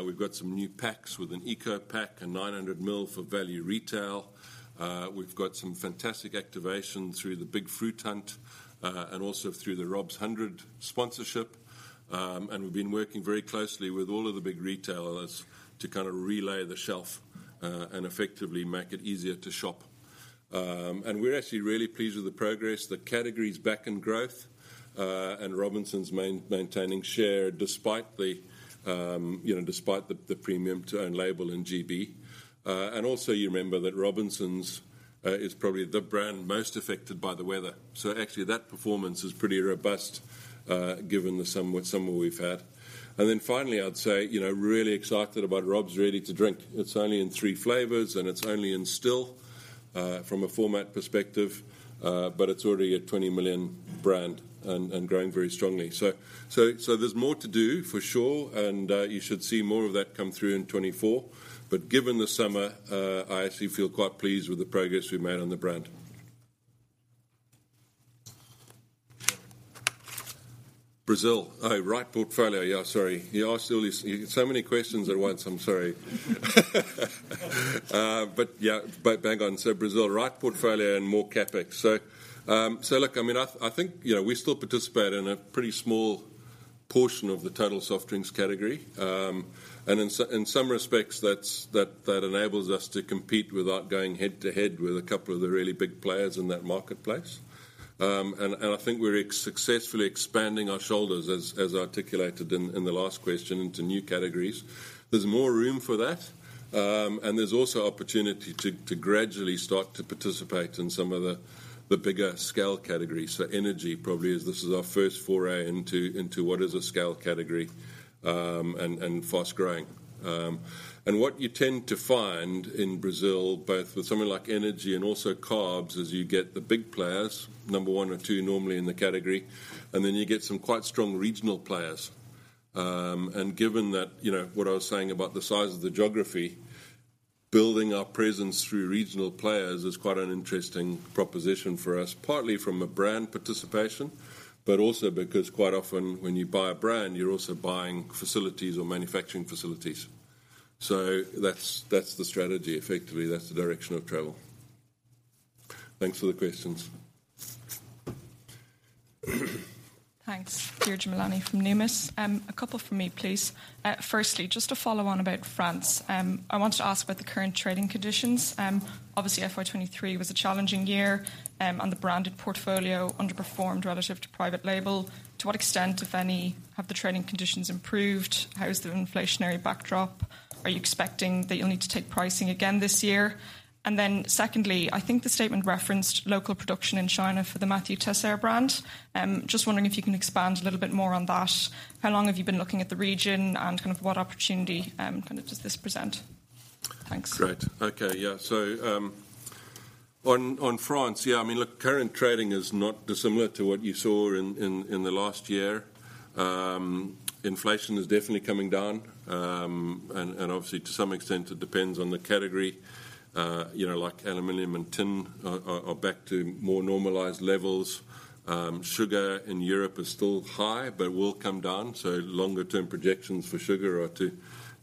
We've got some new packs with an Eco Pack and 900 ml for value retail. We've got some fantastic activation through the Big Fruit Hunt, and also through the c And we've been working very closely with all of the big retailers to kind of relay the shelf, and effectively make it easier to shop. And we're actually really pleased with the progress. The category's back in growth, and Robinsons maintaining share despite the, you know, despite the, the premium to own label in GB. And also, you remember that Robinsons is probably the brand most affected by the weather. So actually, that performance is pretty robust, given the somewhat summer we've had. And then finally, I'd say, you know, really excited about Rob's ready-to-drink. It's only in three flavors, and it's only in still, from a format perspective, but it's already a 20 million brand and, and growing very strongly. So, so, so there's more to do, for sure, and, you should see more of that come through in 2024. But given the summer, I actually feel quite pleased with the progress we've made on the brand. Brazil. Right portfolio. Yeah, sorry. You asked all these so many questions at once, I'm sorry. But yeah, but bang on. So Brazil, right portfolio and more CapEx. So, look, I mean, I think, you know, we still participate in a pretty small portion of the total soft drinks category. And in some respects, that enables us to compete without going head-to-head with a couple of the really big players in that marketplace. And I think we're successfully expanding our shoulders, as articulated in the last question, into new categories. There's more room for that, and there's also opportunity to gradually start to participate in some of the bigger scale categories. So energy probably is... This is our first foray into what is a scale category, and fast growing. And what you tend to find in Brazil, both with something like energy and also carbs, is you get the big players, number 1 or 2, normally in the category, and then you get some quite strong regional players. And given that, you know, what I was saying about the size of the geography, building our presence through regional players is quite an interesting proposition for us, partly from a brand participation, but also because quite often, when you buy a brand, you're also buying facilities or manufacturing facilities. So that's, that's the strategy. Effectively, that's the direction of travel. Thanks for the questions. Thanks. Deirdre Moloney from Numis. A couple from me, please. Firstly, just to follow on about France, I wanted to ask about the current trading conditions. Obviously, FY 2023 was a challenging year, and the branded portfolio underperformed relative to private label. To what extent, if any, have the trading conditions improved? How is the inflationary backdrop? Are you expecting that you'll need to take pricing again this year? And then secondly, I think the statement referenced local production in China for the Mathieu Teisseire brand. Just wondering if you can expand a little bit more on that. How long have you been looking at the region, and kind of what opportunity, kind of does this present? Thanks. Great. Okay, yeah. So, on France, yeah, I mean, look, current trading is not dissimilar to what you saw in the last year. Inflation is definitely coming down, and obviously, to some extent, it depends on the category. You know, like aluminum and tin are back to more normalized levels. Sugar in Europe is still high, but will come down, so longer term projections for sugar are to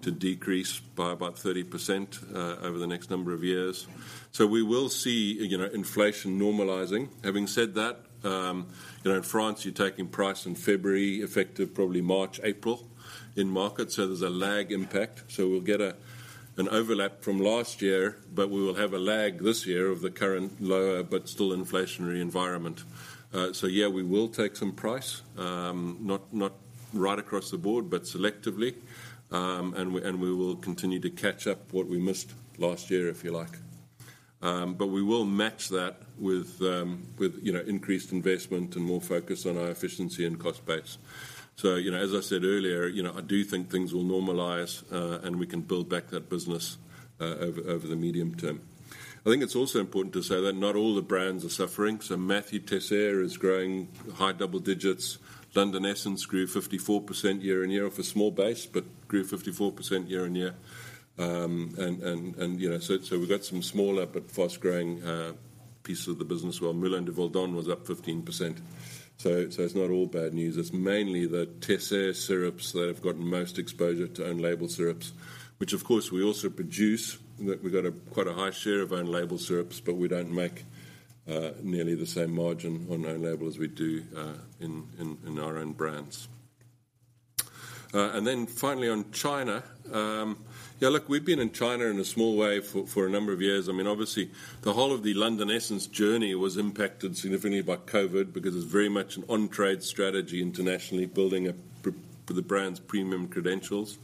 decrease by about 30%, over the next number of years. So, we will see, you know, inflation normalizing. Having said that, you know, in France, you're taking price in February, effective probably March, April in market, so there's a lag impact. So we'll get an overlap from last year, but we will have a lag this year of the current lower but still inflationary environment. So, we will take some price, not right across the board, but selectively. And we will continue to catch up what we missed last year, if you like. But we will match that with you know, increased investment and more focus on our efficiency and cost base. So, you know, as I said earlier, you know, I do think things will normalize, and we can build back that business over the medium term. I think it's also important to say that not all the brands are suffering, so Mathieu Teisseire is growing high double digits. London Essence grew 54% year-on-year, off a small base, but grew 54% year-on-year. You know, so we've got some smaller but fast-growing pieces of the business, while Moulin de Valdonne was up 15%. So it's not all bad news. It's mainly the Teisseire syrups that have gotten most exposure to own label syrups, which of course, we also produce. We've got quite a high share of own label syrups, but we don't make nearly the same margin on own label as we do in our own brands. And then finally, on China. Yeah, look, we've been in China in a small way for a number of years. I mean, obviously, the whole of the London Essence journey was impacted significantly by COVID, because it's very much an on-trade strategy internationally, building a p- for the brand's premium credentials.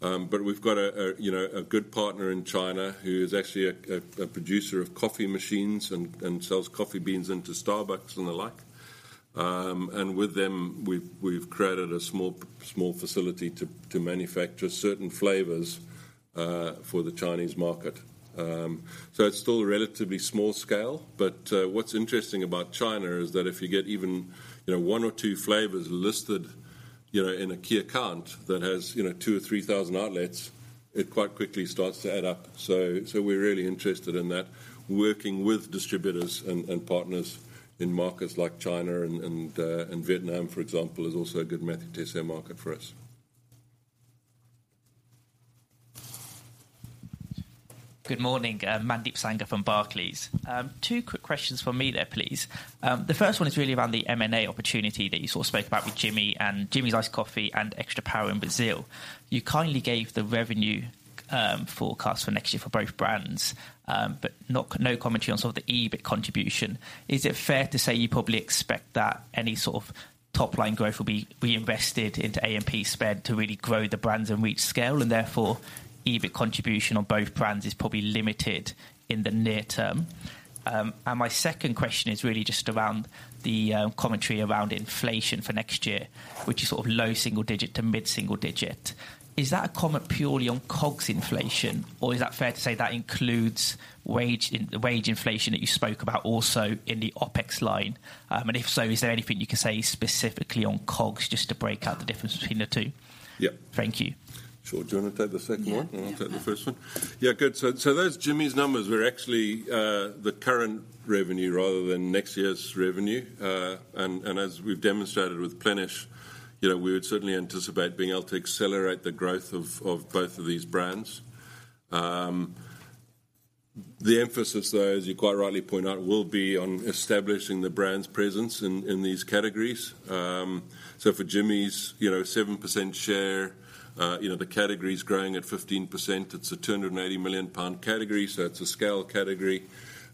But we've got you know, a good partner in China who is actually a producer of coffee machines and sells coffee beans into Starbucks and the like. And with them, we've created a small facility to manufacture certain flavors for the Chinese market. So it's still relatively small scale, but what's interesting about China is that if you get even you know, 1 or 2 flavors listed you know, in a key account that has you know, 2,000 or 3,000 outlets, it quite quickly starts to add up. So we're really interested in that. Working with distributors and partners in markets like China and Vietnam, for example, is also a good Mathieu Teisseire market for us. Good morning, Mandeep Sangha from Barclays. Two quick questions from me there, please. The first one is really around the M&A opportunity that you sort of spoke about with Jimmy, and Jimmy's Iced Coffee and Extra Power in Brazil. You kindly gave the revenue forecast for next year for both brands, but no commentary on sort of the EBIT contribution. Is it fair to say you probably expect that any sort of top-line growth will be reinvested into AMP spend to really grow the brands and reach scale, and therefore, EBIT contribution on both brands is probably limited in the near term? And my second question is really just around the commentary around inflation for next year, which is sort of low single digit to mid-single digit. Is that a comment purely on COGS inflation, or is that fair to say that includes wage inflation that you spoke about also in the OpEx line? And if so, is there anything you can say specifically on COGS, just to break out the difference between the two? Yeah. Thank you. Sure. Do you want to take the second one? Yeah. I'll take the first one. Yeah, good. So those Jimmy's numbers were actually the current revenue rather than next year's revenue. And as we've demonstrated with Plenish, you know, we would certainly anticipate being able to accelerate the growth of both of these brands. The emphasis, though, as you quite rightly point out, will be on establishing the brand's presence in these categories. So, for Jimmy's, you know, 7% share, you know, the category's growing at 15%. It's a 280 million pound category, so it's a scale category.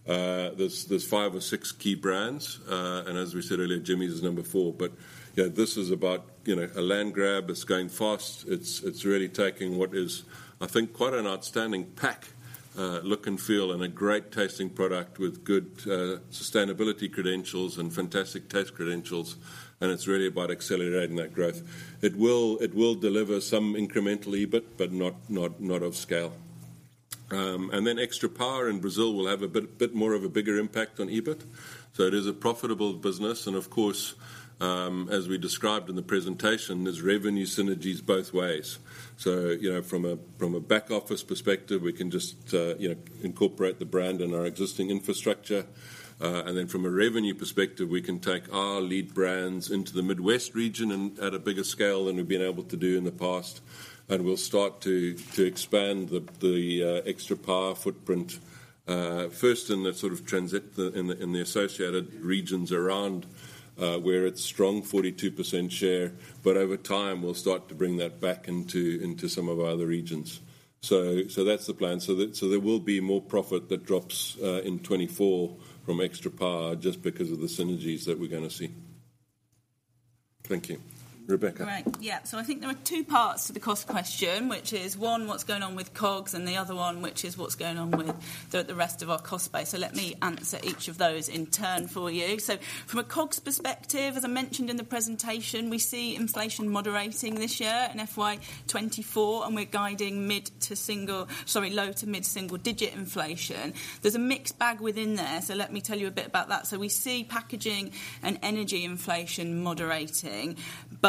There're five or six key brands, and as we said earlier, Jimmy's is number four. But, yeah, this is about, you know, a land grab. It's going fast. It's, it's really taking what is, I think, quite an outstanding pack, look and feel, and a great tasting product with good, sustainability credentials and fantastic taste credentials, and it's really about accelerating that growth. It will, it will deliver some incremental EBIT, but not, not, not of scale. And then Extra Power in Brazil will have a bit, bit more of a bigger impact on EBIT. So it is a profitable business, and of course, as we described in the presentation, there's revenue synergies both ways. So, you know, from a, from a back-office perspective, we can just, you know, incorporate the brand in our existing infrastructure. And then from a revenue perspective, we can take our lead brands into the Midwest region and at a bigger scale than we've been able to do in the past, and we'll start to expand the Extra Power footprint first in the associated regions around where it's strong, 42% share, but over time, we'll start to bring that back into some of our other regions. That's the plan. There will be more profit that drops in 2024 from Extra Power just because of the synergies that we're going to see. Thank you. Rebecca? Right. Yeah, so I think there are two parts to the cost question, which is one, what's going on with COGS? And the other one, which is what's going on with the, the rest of our cost base. So let me answer each of those in turn for you. So, from a COGS perspective, as I mentioned in the presentation, we see inflation moderating this year in FY 2024, and we're guiding low- to mid-single-digit inflation. There's a mixed bag within there, so let me tell you a bit about that. So we see packaging and energy inflation moderating,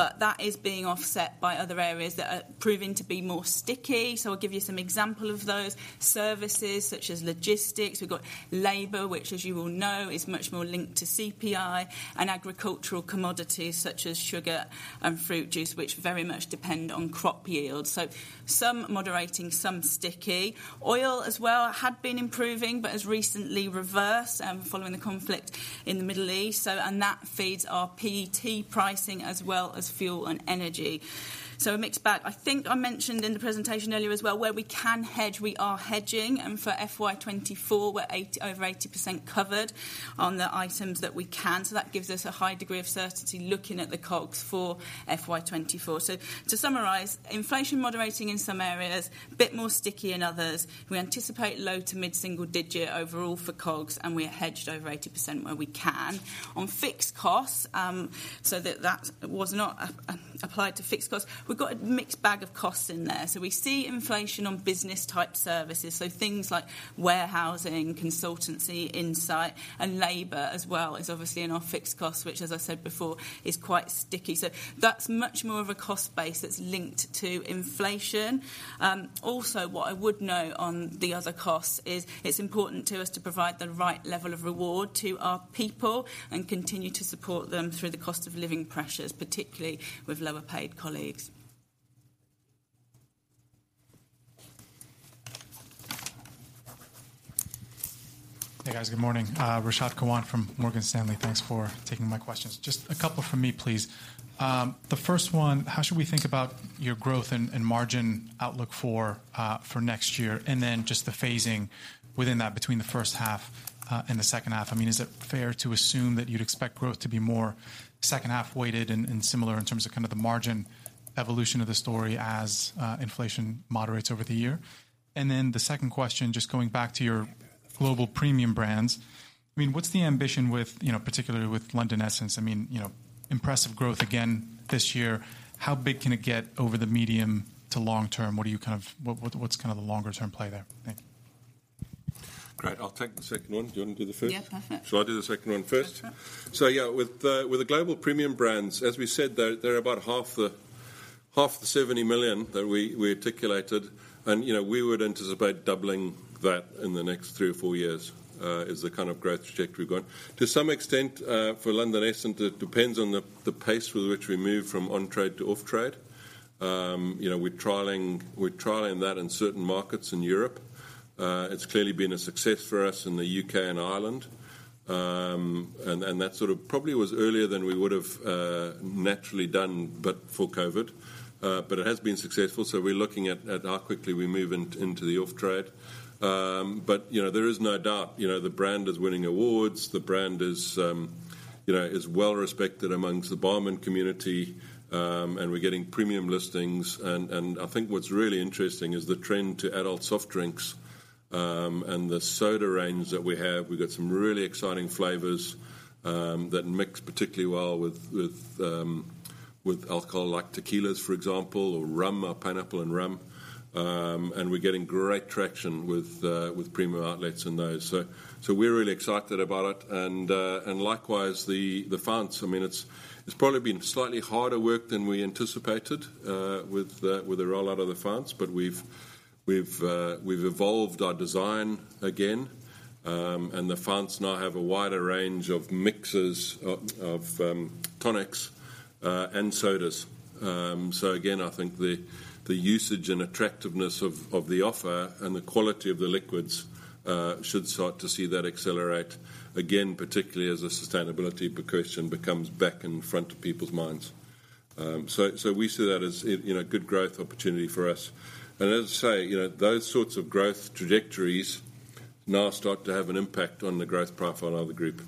but that is being offset by other areas that are proving to be more sticky. So I'll give you some example of those. Services, such as logistics. We've got labor, which, as you all know, is much more linked to CPI. And agricultural commodities, such as sugar and fruit juice, which very much depend on crop yields. So, some moderating, some sticky. Oil, as well, had been improving, but has recently reversed following the conflict in the Middle East. So, and that feeds our PET pricing, as well as fuel and energy. So, a mixed bag. I think I mentioned in the presentation earlier as well, where we can hedge, we are hedging, and for FY 2024, we're over 80% covered on the items that we can. So that gives us a high degree of certainty looking at the COGS for FY 2024. So, to summarize, inflation moderating in some areas, a bit more sticky in others. We anticipate low- to mid-single-digit overall for COGS, and we are hedged over 80% where we can. On fixed costs, so that, that was not applied to fixed costs. We've got a mixed bag of costs in there. So, we see inflation on business-type services, so things like warehousing, consultancy, insight, and labor as well, is obviously in our fixed costs, which, as I said before, is quite sticky. So that's much more of a cost base that's linked to inflation. Also, what I would note on the other costs is, it's important to us to provide the right level of reward to our people and continue to support them through the cost of living pressures, particularly with lower-paid colleagues. Hey, guys. Good morning. Rashad Kawan from Morgan Stanley. Thanks for taking my questions. Just a couple from me, please. The first one, how should we think about your growth and margin outlook for next year? And then just the phasing within that between the first half and the second half. I mean, is it fair to assume that you'd expect growth to be more second half-weighted and similar in terms of kind of the margin evolution of the story as inflation moderates over the year? And then the second question, just going back to your global premium brands. I mean, what's the ambition with, you know, particularly with London Essence? I mean, you know, impressive growth again this year. How big can it get over the medium to long term? What’s kind of the longer-term play there? Thank you. Great. I'll take the second one. Do you want to do the first? Yeah. Perfect. Shall I do the second one first? Sure, sure. So yeah, with the global premium brands, as we said, they're about half the 70 million that we articulated, and, you know, we would anticipate doubling that in the next three or four years is the kind of growth trajectory we're going. To some extent, for London Essence, it depends on the pace with which we move from on-trade to off-trade. You know, we're trialing that in certain markets in Europe. It's clearly been a success for us in the UK and Ireland. And that sort of probably was earlier than we would have naturally done, but for COVID. But it has been successful, so we're looking at how quickly we move into the off-trade. But, you know, there is no doubt, you know, the brand is winning awards. The brand is, you know, well-respected amongst the barman community, and we're getting premium listings. And I think what's really interesting is the trend to adult soft drinks, and the soda range that we have. We've got some really exciting flavors that mix particularly well with alcohol, like tequilas, for example, or rum, our pineapple and rum. And we're getting great traction with premium outlets in those. So, we're really excited about it, and likewise, the font. I mean, it's probably been slightly harder work than we anticipated with the rollout of the font, but we've evolved our design again, and the font now have a wider range of mixes, of tonics, and sodas. So again, I think the usage and attractiveness of the offer and the quality of the liquids should start to see that accelerate again, particularly as the sustainability question becomes back in front of people's minds. So, we see that as, you know, a good growth opportunity for us. And as I say, you know, those sorts of growth trajectories now start to have an impact on the growth profile of the group.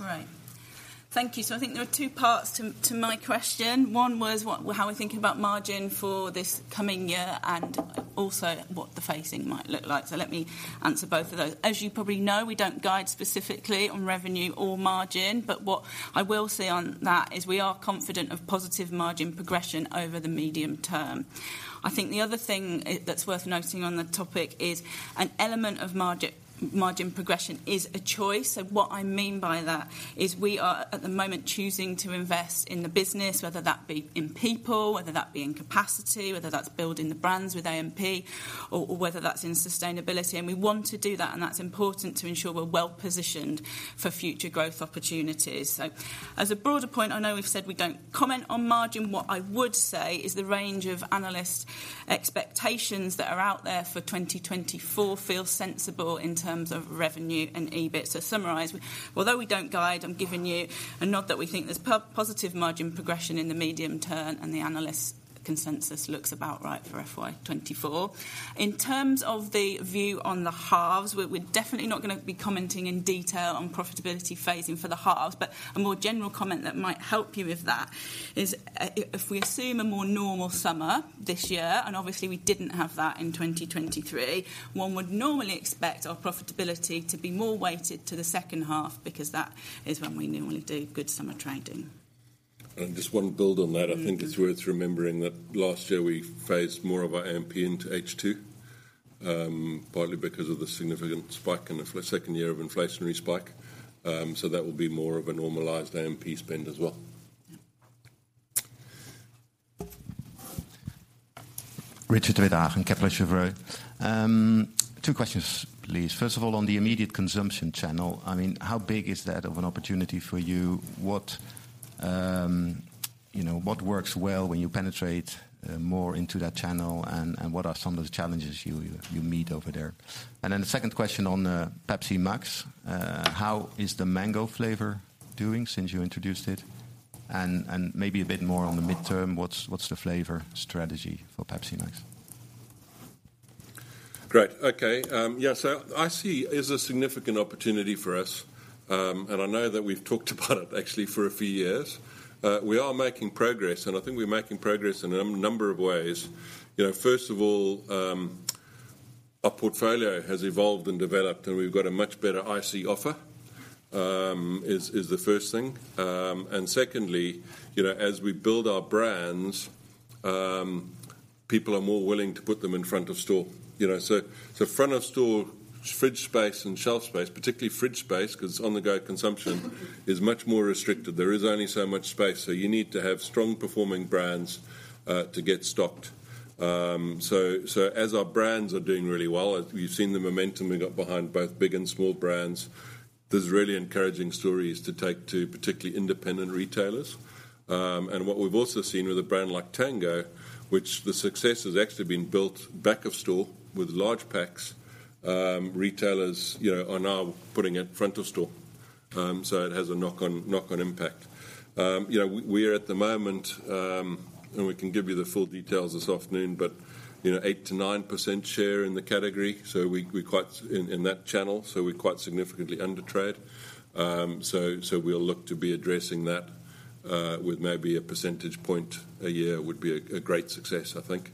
Right. Thank you. So, I think there are two parts to, to my question. One was, what-- how are we thinking about margin for this coming year, and also what the phasing might look like? So let me answer both of those. As you probably know, we don't guide specifically on revenue or margin, but what I will say on that is we are confident of positive margin progression over the medium term. I think the other thing, that's worth noting on the topic is an element of margin, margin progression is a choice. So what I mean by that is we are, at the moment, choosing to invest in the business, whether that be in people, whether that be in capacity, whether that's building the brands with AMP, or, or whether that's in sustainability, and we want to do that, and that's important to ensure we're well positioned for future growth opportunities. So, as a broader point, I know we've said we don't comment on margin. What I would say is the range of analyst expectations that are out there for 2024 feel sensible in terms of revenue and EBIT. So, to summarize, although we don't guide, I'm giving you a note that we think there's positive margin progression in the medium term, and the analyst consensus looks about right for FY 2024. In terms of the view on the halves, we're definitely not going to be commenting in detail on profitability phasing for the halves, but a more general comment that might help you with that is, if we assume a more normal summer this year, and obviously we didn't have that in 2023, one would normally expect our profitability to be more weighted to the second half because that is when we normally do good summer trading. And just one build on that, I think it's worth remembering that last year we phased more of our AMP into H2, partly because of the significant spike in the second year of inflationary spike. So that will be more of a normalized AMP spend as well. Richard Withagen from Kepler Cheuvreux. Two questions, please. First of all, on the immediate consumption channel, I mean, how big is that of an opportunity for you? What, you know, what works well when you penetrate more into that channel, and what are some of the challenges you meet over there? And then the second question on Pepsi MAX. How is the mango flavor doing since you introduced it? And maybe a bit more on the midterm, what's the flavor strategy for Pepsi MAX? Great. Okay, so IC is a significant opportunity for us. And I know that we've talked about it actually for a few years. We are making progress, and I think we're making progress in a number of ways. You know, first of all, our portfolio has evolved and developed, and we've got a much better IC offer, is the first thing. And secondly, you know, as we build our brands, people are more willing to put them in front of store. You know, so front of store fridge space and shelf space, particularly fridge space, because on-the-go consumption is much more restricted. There is only so much space, so you need to have strong performing brands to get stocked. So, as our brands are doing really well, as we've seen the momentum we got behind both big and small brands, there's really encouraging stories to take to particularly independent retailers. And what we've also seen with a brand like Tango, which the success has actually been built back of store with large packs, retailers, you know, are now putting it front of store. So, it has a knock-on impact. You know, we're at the moment and we can give you the full details this afternoon, but you know, 8%-9% share in the category, so we quite in that channel, so we're quite significantly under trade. So, we'll look to be addressing that with maybe a percentage point a year would be a great success, I think.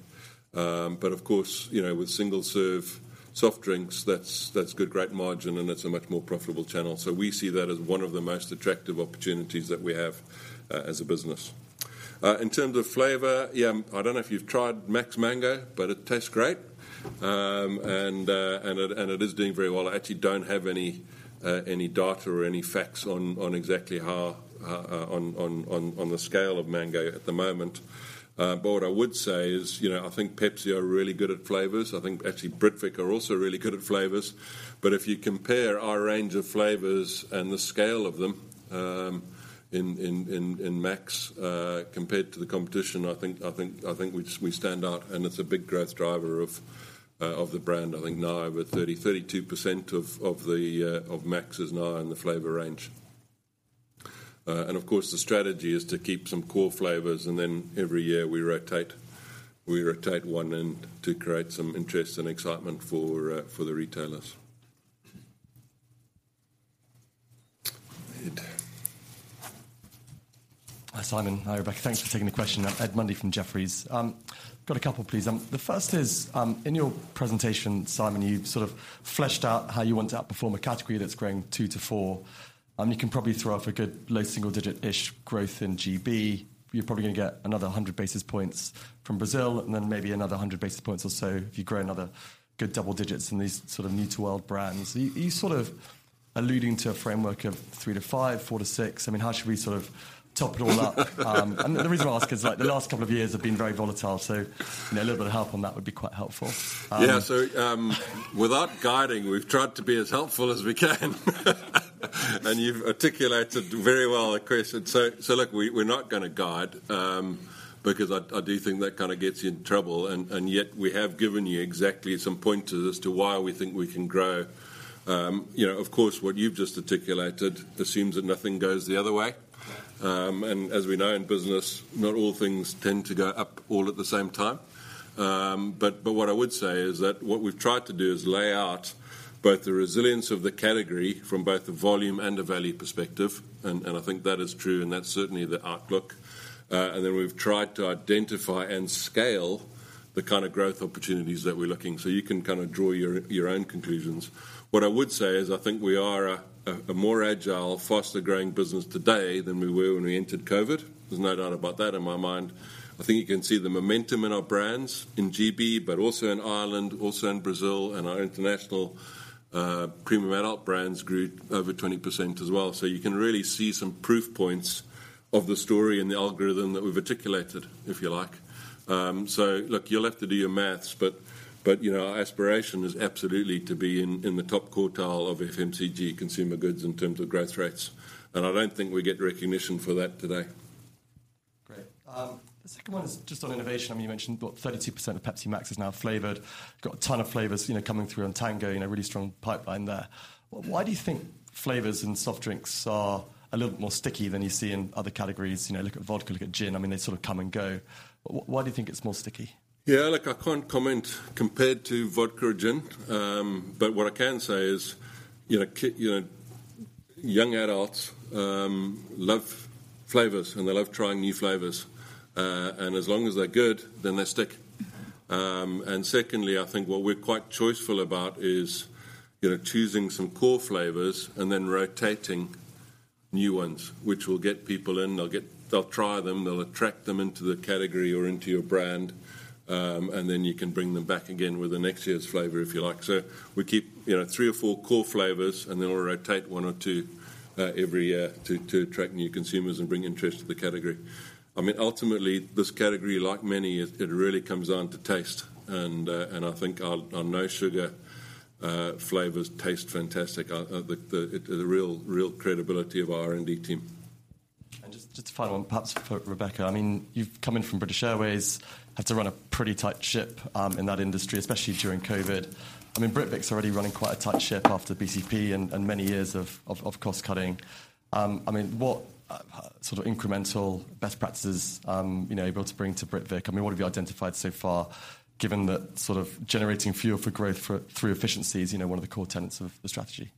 But of course, you know, with single-serve soft drinks, that's good great margin, and it's a much more profitable channel. So, we see that as one of the most attractive opportunities that we have as a business. In terms of flavor, yeah, I don't know if you've tried MAX Mango, but it tastes great. And it is doing very well. I actually don't have any data or any facts on exactly how on the scale of mango at the moment. But what I would say is, you know, I think Pepsi are really good at flavors. I think actually Britvic are also really good at flavors. But if you compare our range of flavors and the scale of them in MAX compared to the competition, I think we stand out, and it's a big growth driver of the brand. I think now over 32% of the MAX is now in the flavor range. And of course, the strategy is to keep some core flavors, and then every year we rotate one and to create some interest and excitement for the retailers. Hi, Simon. Hi, Rebecca. Thanks for taking the question. I'm Ed Mundy from Jefferies. Got a couple, please. The first is, in your presentation, Simon, you sort of fleshed out how you want to outperform a category that's growing 2-4. You can probably throw off a good low single-digit-ish growth in GB. You're probably gonna get another 100 basis points from Brazil, and then maybe another 100 basis points or so, if you grow another good double digits in these sort of new to world brands. Are you sort of alluding to a framework of 3-5, 4-6? I mean, how should we sort of top it all up? The reason I ask is like the last couple of years have been very volatile, so, you know, a little bit of help on that would be quite helpful. Yeah. So, without guiding, we've tried to be as helpful as we can. And you've articulated very well the question. So, look, we're not gonna guide, because I do think that kind of gets you in trouble, and yet we have given you exactly some pointers as to why we think we can grow. You know, of course, what you've just articulated assumes that nothing goes the other way. And as we know in business, not all things tend to go up all at the same time. But what I would say is that what we've tried to do is lay out both the resilience of the category from both the volume and the value perspective, and I think that is true, and that's certainly the outlook. And then we've tried to identify and scale the kind of growth opportunities that we're looking, so you can kind of draw your, your own conclusions. What I would say is, I think we are a, a more agile, faster-growing business today than we were when we entered COVID. There's no doubt about that in my mind. I think you can see the momentum in our brands, in GB, but also in Ireland, also in Brazil, and our international, premium adult brands grew over 20% as well. So, you can really see some proof points of the story and the algorithm that we've articulated, if you like. So, look, you'll have to do your math, but you know, our aspiration is absolutely to be in the top quartile of FMCG consumer goods in terms of growth rates, and I don't think we get recognition for that today. Great. The second one is just on innovation. I mean, you mentioned about 32% of Pepsi MAX is now flavored. Got a ton of flavors, you know, coming through on Tango, you know, really strong pipeline there. Why do you think flavors and soft drinks are a little bit more sticky than you see in other categories? You know, look at vodka, look at gin. I mean, they sort of come and go. Why do you think it's more sticky? Yeah, look, I can't comment compared to vodka or gin. But what I can say is, you know, young adults love flavors, and they love trying new flavors. And as long as they're good, then they stick. And secondly, I think what we're quite choiceful about is, you know, choosing some core flavors and then rotating new ones, which will get people in. They'll try them, they'll attract them into the category or into your brand, and then you can bring them back again with the next year's flavor, if you like. So we keep, you know, three or four core flavors, and then we'll rotate one or two every year to attract new consumers and bring interest to the category. I mean, ultimately, this category, like many, it really comes down to taste, and I think our No Sugar flavors taste fantastic. The real credibility of our R&D team. And just a final one, perhaps for Rebecca. I mean, you've come in from British Airways, had to run a pretty tight ship, in that industry, especially during COVID. I mean, Britvic's already running quite a tight ship after BCP and many years of cost cutting. I mean, what sort of incremental best practices, you know, are you able to bring to Britvic? I mean, what have you identified so far, given that sort of generating fuel for growth through efficiency is, you know, one of the core tenets of the strategy?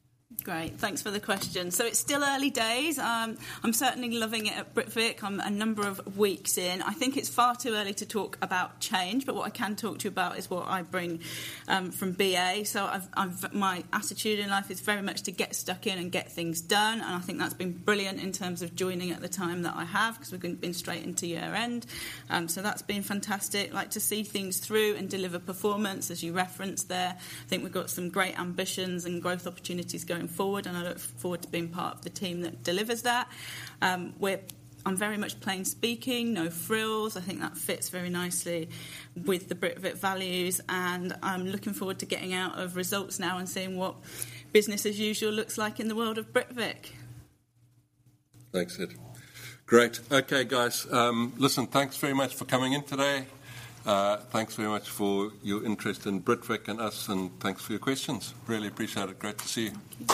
Great! Thanks for the question. So it's still early days. I'm certainly loving it at Britvic. I'm a number of weeks in. I think it's far too early to talk about change, but what I can talk to you about is what I bring from BA. So I've my attitude in life is very much to get stuck in and get things done, and I think that's been brilliant in terms of joining at the time that I have, 'cause we've been straight into year-end. So that's been fantastic. I like to see things through and deliver performance, as you referenced there. I think we've got some great ambitions and growth opportunities going forward, and I look forward to being part of the team that delivers that. We're. I'm very much plain speaking, no frills. I think that fits very nicely with the Britvic values, and I'm looking forward to getting out of results now and seeing what business as usual looks like in the world of Britvic. Thanks. Great. Okay, guys, listen, thanks very much for coming in today. Thanks very much for your interest in Britvic and us, and thanks for your questions. Really appreciate it. Great to see you.